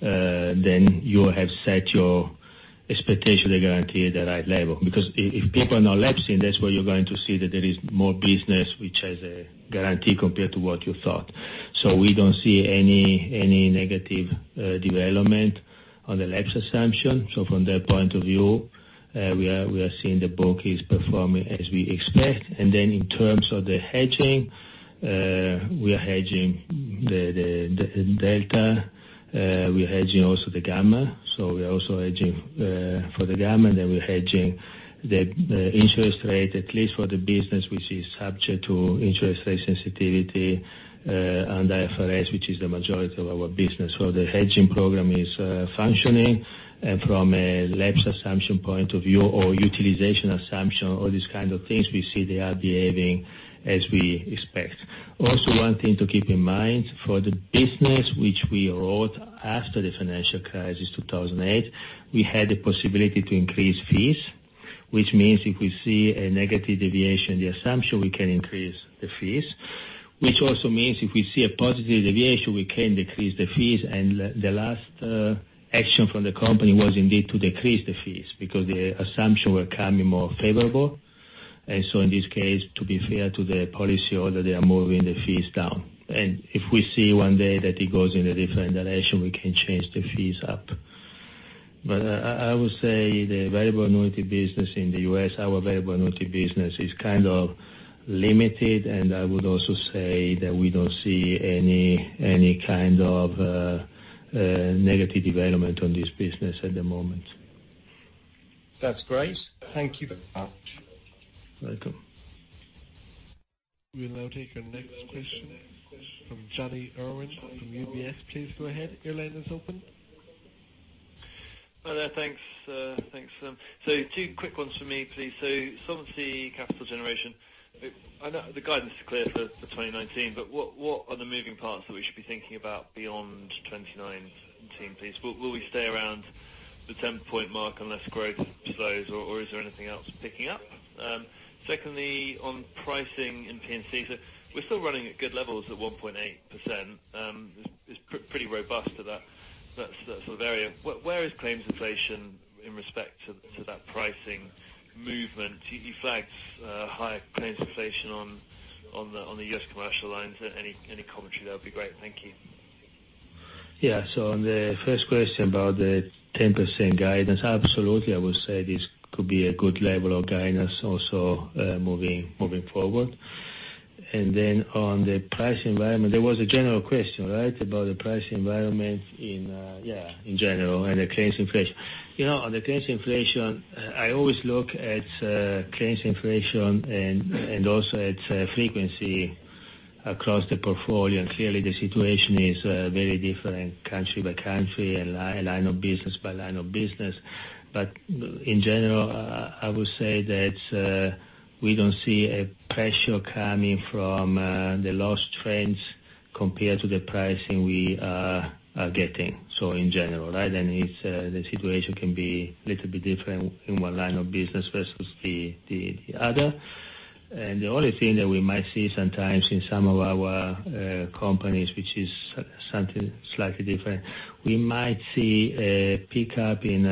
then you have set your expectation, they guarantee the right level. Because if people are now lapsing, that's where you're going to see that there is more business which has a guarantee compared to what you thought. We don't see any negative development on the lapse assumption. From that point of view, we are seeing the book is performing as we expect. In terms of the hedging, we are hedging the delta. We are hedging also the gamma. We are also hedging for the gamma. Then we are hedging the interest rate, at least for the business which is subject to interest rate sensitivity, and IFRS, which is the majority of our business. The hedging program is functioning. From a lapse assumption point of view or utilization assumption, all these kind of things, we see they are behaving as we expect. One thing to keep in mind, for the business which we wrote after the financial crisis 2008, we had the possibility to increase fees, which means if we see a negative deviation in the assumption, we can increase the fees, which also means if we see a positive deviation, we can decrease the fees. The last action from the company was indeed to decrease the fees because the assumption were becoming more favorable. In this case, to be fair to the policyholder, they are moving the fees down. If we see one day that it goes in a different direction, we can change the fees up. I would say the variable annuity business in the U.S., our variable annuity business is kind of limited. I would also say that we don't see any kind of negative development on this business at the moment. That's great. Thank you very much. Welcome. We'll now take our next question from Jonny Urwin from UBS. Please go ahead. Your line is open. Hi there. Thanks. Two quick ones for me, please. Solvency capital generation. I know the guidance is clear for 2019, but what are the moving parts that we should be thinking about beyond 2019, please? Will we stay around the 10-point mark unless growth slows, or is there anything else picking up? Secondly, on pricing in P&C. We're still running at good levels at 1.8%. It's pretty robust at that sort of area. Where is claims inflation in respect to that pricing movement? You flagged higher claims inflation on the U.S. commercial lines. Any commentary there would be great. Thank you. Yeah. On the first question about the 10% guidance, absolutely, I would say this could be a good level of guidance also moving forward. On the price environment, there was a general question, right? About the price environment in general and the claims inflation. On the claims inflation, I always look at claims inflation and also at frequency across the portfolio. Clearly, the situation is very different country by country and line of business by line of business. In general, I would say that we don't see a pressure coming from the loss trends compared to the pricing we are getting. In general. The situation can be little bit different in one line of business versus the other. The only thing that we might see sometimes in some of our companies, which is something slightly different, we might see a pickup in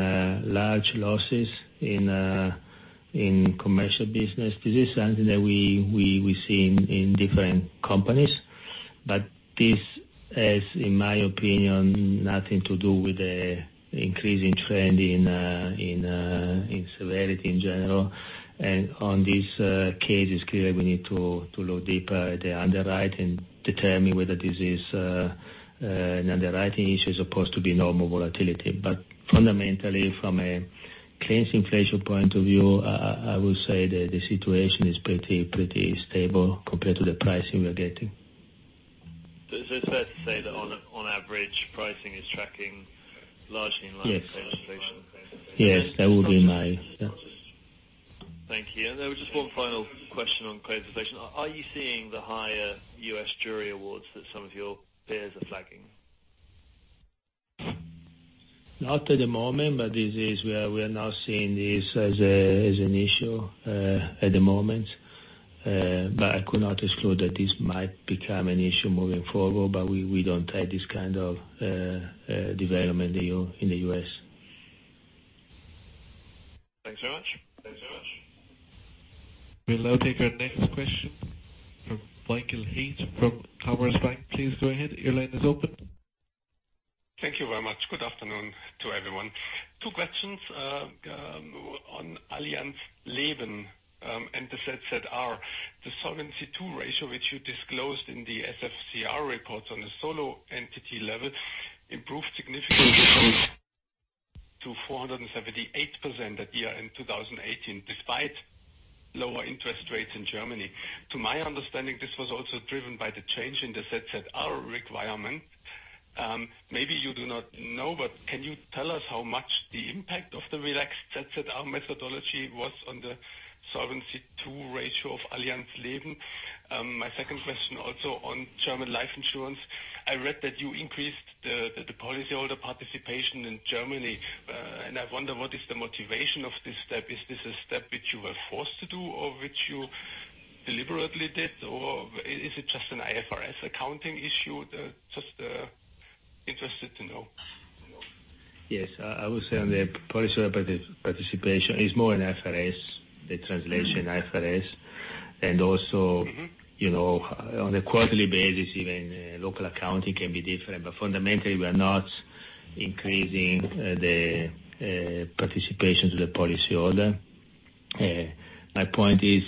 large losses in commercial business. This is something that we see in different companies. This has, in my opinion, nothing to do with the increasing trend in severity in general. On these cases, clearly, we need to look deeper at the underwriting, determine whether this is an underwriting issue as opposed to be normal volatility. Fundamentally, from a claims inflation point of view, I would say that the situation is pretty stable compared to the pricing we are getting. It's fair to say that on average, pricing is tracking largely in line with inflation? Yes. That would be my Yeah. Thank you. There was just one final question on claims inflation. Are you seeing the higher U.S. jury awards that some of your peers are flagging? Not at the moment, we are not seeing this as an issue at the moment. I could not exclude that this might become an issue moving forward. We don't have this kind of development in the U.S. Thanks very much. We'll now take our next question from Michael Heath from Commerzbank. Please go ahead. Your line is open. Thank you very much. Good afternoon to everyone. Two questions on Allianz Leben and the ZZR. The Solvency II ratio, which you disclosed in the SFCR report on a solo entity level, improved significantly to 478% that year in 2018, despite lower interest rates in Germany. To my understanding, this was also driven by the change in the ZZR requirement. Maybe you do not know, but can you tell us how much the impact of the relaxed ZZR methodology was on the Solvency II ratio of Allianz Leben? My second question, also on German life insurance. I read that you increased the policyholder participation in Germany. I wonder, what is the motivation of this step? Is this a step which you were forced to do, or which you Deliberately did, or is it just an IFRS accounting issue? Just interested to know. Yes. I would say on the policy participation, it's more an IFRS, the translation IFRS. Also, on a quarterly basis, even local accounting can be different. Fundamentally, we are not increasing the participation to the policyholder. My point is,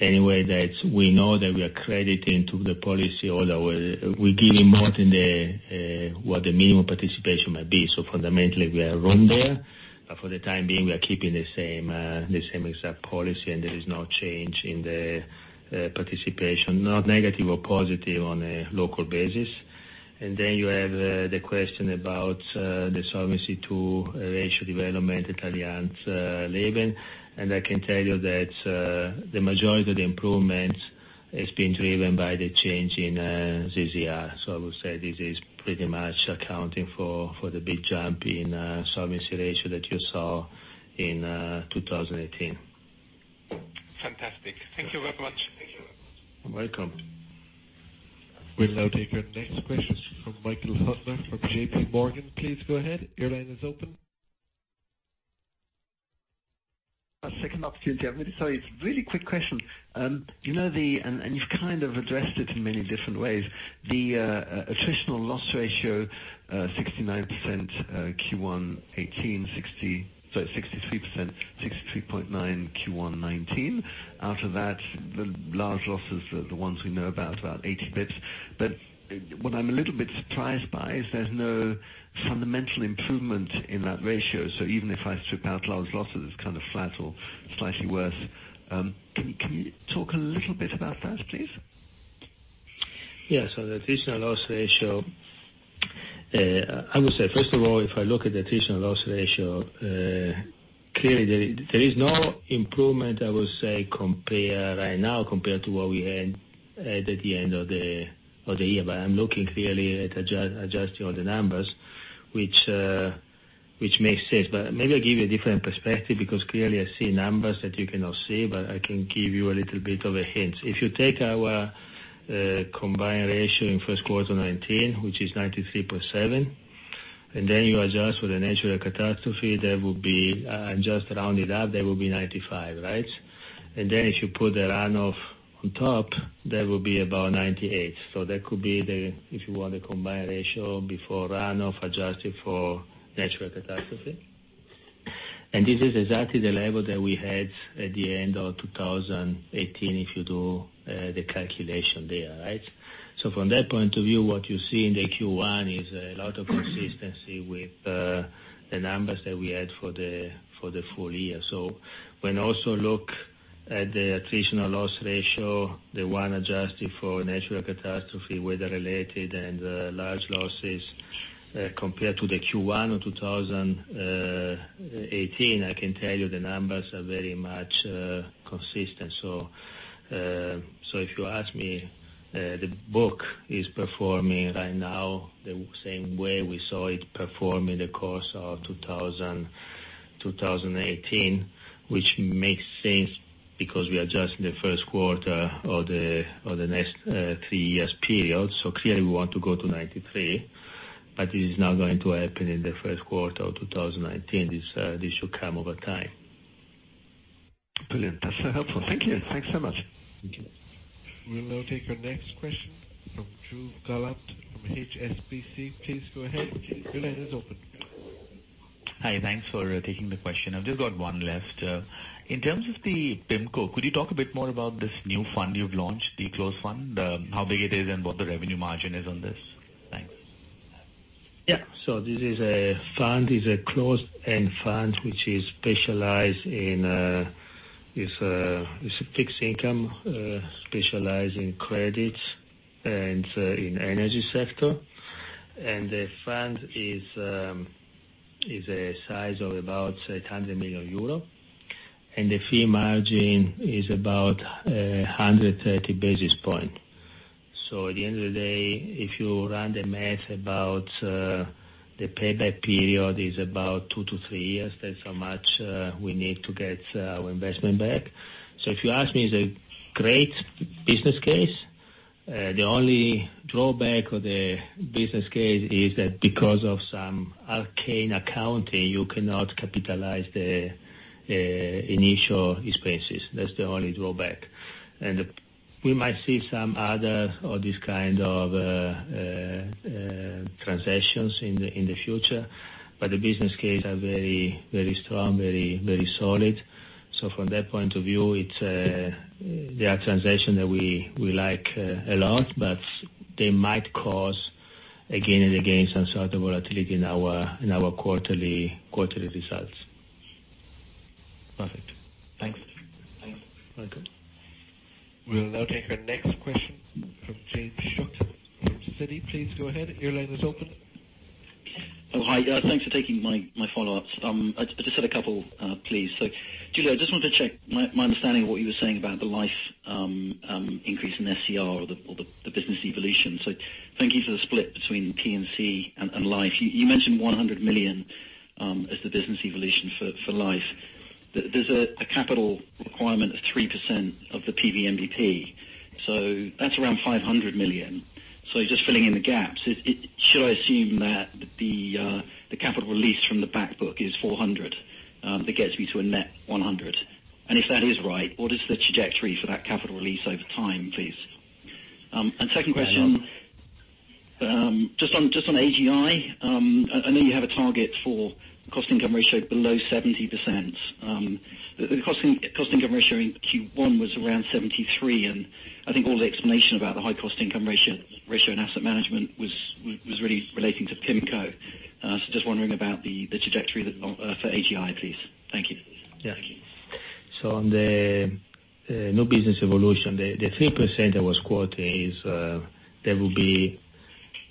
anyway, that we know that we are crediting to the policyholder. We're giving more than what the minimum participation might be. Fundamentally, we are wrong there. For the time being, we are keeping the same exact policy, and there is no change in the participation, not negative or positive on a local basis. You have the question about the Solvency II ratio development, Allianz Leben. I can tell you that the majority of the improvement has been driven by the change in ZZR. I would say this is pretty much accounting for the big jump in solvency ratio that you saw in 2018. Fantastic. Thank you very much. You're welcome. We'll now take our next question from Michael Huttner from J.P. Morgan. Please go ahead. Your line is open. A second opportunity, I'm really sorry. It's a really quick question. You've kind of addressed it in many different ways. The attritional loss ratio 69% Q1 2018, 63.9% Q1 2019. Out of that, the large losses are the ones we know about 80 basis points. What I'm a little bit surprised by is there's no fundamental improvement in that ratio. Even if I strip out large losses, it's kind of flat or slightly worse. Can you talk a little bit about that, please? Yeah. The attritional loss ratio, I would say, first of all, if I look at the attritional loss ratio, clearly, there is no improvement I would say right now compared to what we had at the end of the year. I'm looking clearly at adjusting all the numbers, which makes sense. Maybe I'll give you a different perspective, because clearly I see numbers that you cannot see, but I can give you a little bit of a hint. If you take our combined ratio in first quarter 2019, which is 93.7, you adjust for the natural catastrophe, just round it up, that would be 95, right? If you put the run-off on top, that would be about 98. That could be, if you want a combined ratio before run-off adjusted for natural catastrophe. This is exactly the level that we had at the end of 2018, if you do the calculation there, right? From that point of view, what you see in the Q1 is a lot of consistency with the numbers that we had for the full year. When also look at the attritional loss ratio, the one adjusted for natural catastrophe, weather-related, and large losses, compared to the Q1 of 2018, I can tell you the numbers are very much consistent. If you ask me, the book is performing right now the same way we saw it perform in the course of 2018, which makes sense because we are adjusting the first quarter of the next 3 years period. Clearly we want to go to 93, but it is not going to happen in the first quarter of 2019. This should come over time. Brilliant. That's helpful. Thank you. Thanks so much. Thank you. We'll now take our next question from Dhruv Gahlaut from HSBC. Please go ahead. Your line is open. Hi. Thanks for taking the question. I've just got one left. In terms of the PIMCO, could you talk a bit more about this new fund you've launched, the closed fund, how big it is and what the revenue margin is on this? Thanks. Yeah. This is a closed-end fund, which is specialized in fixed income, specialized in credits and in energy sector. The fund is a size of about 100 million euro, and the fee margin is about 130 basis points. At the end of the day, if you run the math about the payback period is about two to three years. That's how much we need to get our investment back. If you ask me, it's a great business case. The only drawback of the business case is that because of some arcane accounting, you cannot capitalize the initial expenses. That's the only drawback. We might see some other of these kind of transitions in the future, but the business case are very strong, very solid. From that point of view, they are transition that we like a lot, but they might cause, again and again, some sort of volatility in our quarterly results. Perfect. Thanks. You're welcome. We'll now take our next question from James Shuck from Citi. Please go ahead. Your line is open. Oh, hi. Thanks for taking my follow-ups. I just had a couple, please. Giulio, I just wanted to check my understanding of what you were saying about the life increase in SCR or the business evolution. Thank you for the split between P&C and life. You mentioned 100 million as the business evolution for life. There's a capital requirement of 3% of the PVNBP. That's around 500 million. Just filling in the gaps, should I assume that the capital release from the back book is 400 million? That gets me to a net 100 million. If that is right, what is the trajectory for that capital release over time, please? Second question, just on AGI. I know you have a target for cost income ratio below 70%. The cost income ratio in Q1 was around 73, and I think all the explanation about the high cost income ratio in asset management was really relating to PIMCO. Just wondering about the trajectory for AGI, please. Thank you. Yeah. On the new business evolution, the 3% I was quoting is, there will be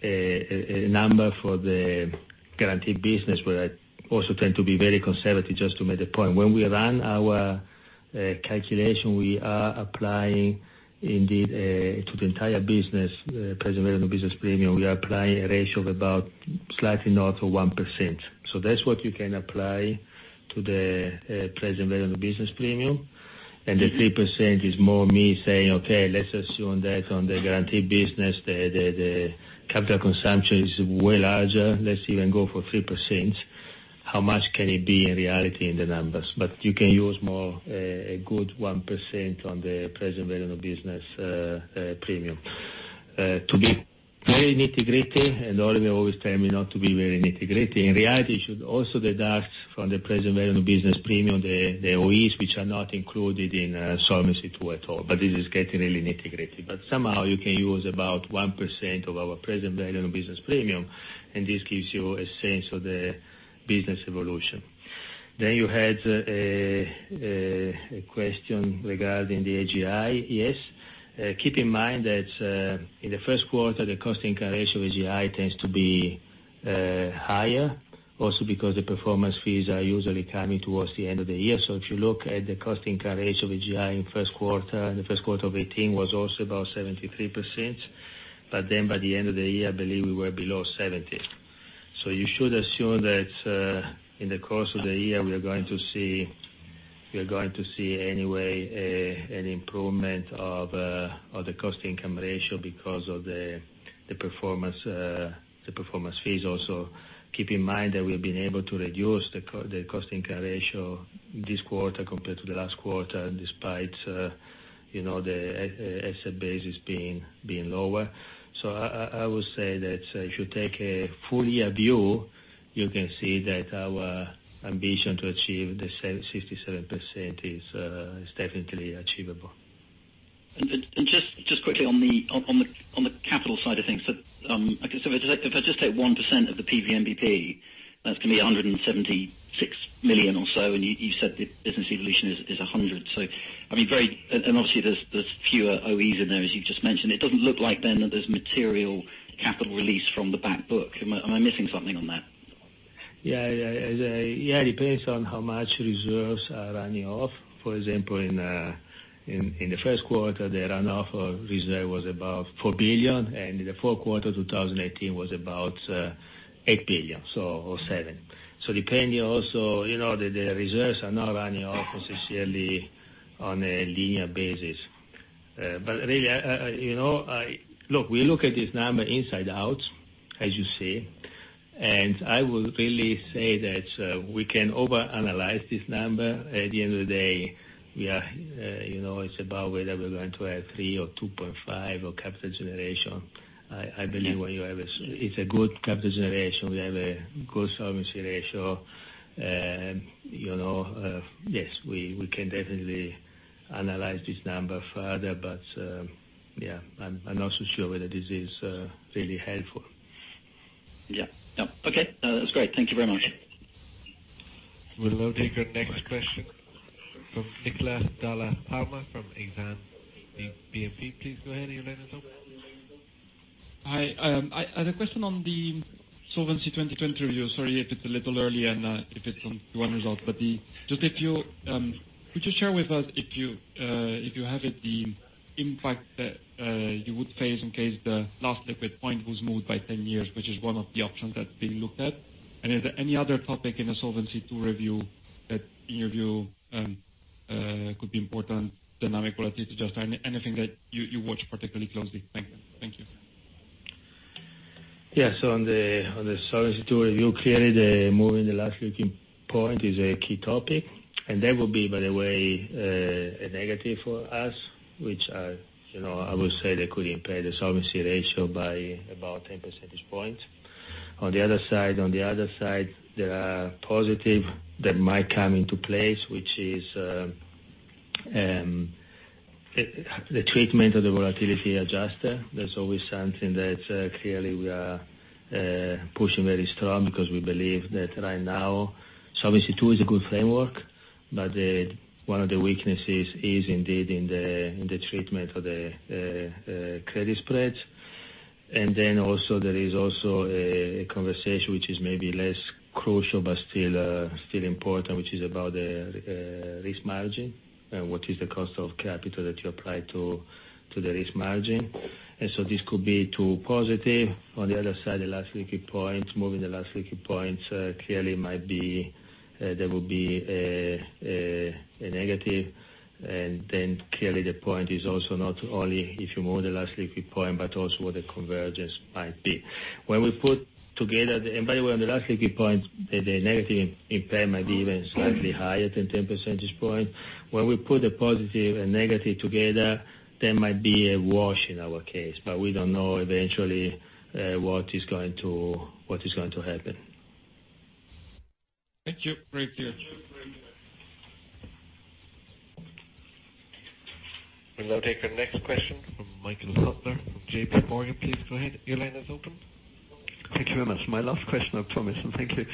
a number for the guaranteed business, where I also tend to be very conservative just to make the point. When we run our calculation, we are applying indeed to the entire business, present value of the business premium, we are applying a ratio of about slightly north of 1%. That's what you can apply to the present value of the business premium. The 3% is more me saying, okay, let's assume that on the guaranteed business, the capital consumption is way larger. Let's even go for 3%. How much can it be in reality in the numbers? You can use more, a good 1% on the present value of the business premium. To be very nitty-gritty, and Oliver always tell me not to be very nitty-gritty, in reality, you should also deduct from the present value of the business premium, the OEs, which are not included in Solvency II at all. This is getting really nitty-gritty. Somehow you can use about 1% of our present value of the business premium, and this gives you a sense of the business evolution. You had a question regarding the AGI. Yes. Keep in mind that, in the first quarter, the cost income ratio of AGI tends to be higher, also because the performance fees are usually coming towards the end of the year. If you look at the cost income ratio of AGI in the first quarter of 2018 was also about 73%, by the end of the year, I believe we were below 70. You should assume that, in the course of the year, we are going to see anyway an improvement of the cost income ratio because of the performance fees. Also, keep in mind that we've been able to reduce the cost income ratio this quarter compared to the last quarter, despite the asset base as being lower. I would say that if you take a full year view, you can see that our ambition to achieve the 67% is definitely achievable. Just quickly on the capital side of things, if I just take 1% of the PVNBP, that's going to be 176 million or so, and you said the business evolution is 100. Obviously there's fewer OE in there, as you just mentioned. It doesn't look like then that there's material capital release from the back book. Am I missing something on that? It depends on how much reserves are running off. For example, in the first quarter, the run off of reserve was above 4 billion, and in the fourth quarter 2018 was about 8 billion or 7 billion. Depending also, the reserves are not running off necessarily on a linear basis. Really, look, we look at this number inside out, as you see. I would really say that we can overanalyze this number. At the end of the day, it's about whether we're going to have 3 billion or 2.5 billion of capital generation. I believe it's a good capital generation. We have a good solvency ratio. Yes, we can definitely analyze this number further, but, I'm not so sure whether this is really helpful. Yeah. No. Okay. No, that was great. Thank you very much. We'll now take a next question from Niccolo Dalla Palma from Exane BNP. Please go ahead. Your line is open. Hi. I had a question on the Solvency II 2020 review. Sorry if it's a little early and if it's on Q1 results. Could you share with us if you haven't, the impact that you would face in case the last liquid point was moved by 10 years, which is one of the options that's being looked at? Is there any other topic in the Solvency II review that in your view could be important dynamic related to just anything that you watch particularly closely? Thank you. Yeah. On the Solvency II review, clearly, moving the last liquid point is a key topic. That will be, by the way, a negative for us, which I would say that could impair the solvency ratio by about 10 percentage points. On the other side, there are positive that might come into place, which is the treatment of the volatility adjuster. That's always something that clearly we are pushing very strong because we believe that right now Solvency II is a good framework, but one of the weaknesses is indeed in the treatment of the credit spread. Then there is also a conversation which is maybe less crucial, but still important, which is about risk margin and what is the cost of capital that you apply to the risk margin. This could be too positive. On the other side, the last liquid point, moving the last liquid points, clearly there will be a negative. Then clearly the point is also not only if you move the last liquid point, but also what the convergence might be. By the way, on the last liquid points, the negative impact might be even slightly higher than 10 percentage points. When we put the positive and negative together, there might be a wash in our case, but we don't know eventually what is going to happen. Thank you. Great. We'll now take our next question from Michael Huttner from J.P. Morgan. Please go ahead. Your line is open. Thank you very much. My last question, I promise, and thank you.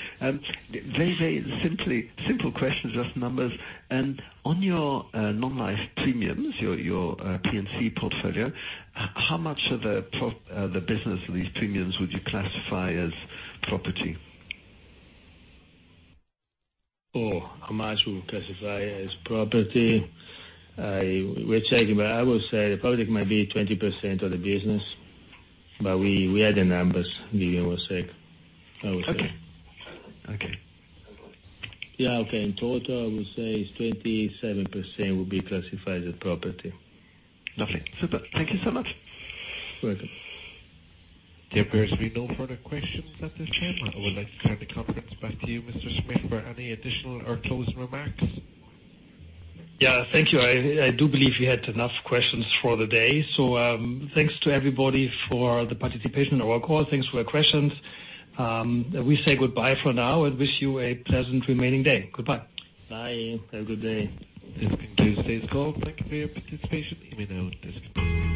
Very simple question, just numbers. On your non-life premiums, your P&C portfolio, how much of the business of these premiums would you classify as property? How much we would classify as property. We're checking, I would say the public might be 20% of the business. We had the numbers. Give me one sec, I would say. Okay. Okay. In total, I would say 27% would be classified as property. Lovely. Super. Thank you so much. Welcome. There appears to be no further questions at this time. I would like to turn the conference back to you, Mr. Schmidt, for any additional or closing remarks. Yeah. Thank you. I do believe we had enough questions for the day. Thanks to everybody for the participation in our call. Thanks for your questions. We say goodbye for now and wish you a pleasant remaining day. Goodbye. Bye. Have a good day. Thank you. Stay golden. Thank you for your participation. You may now disconnect.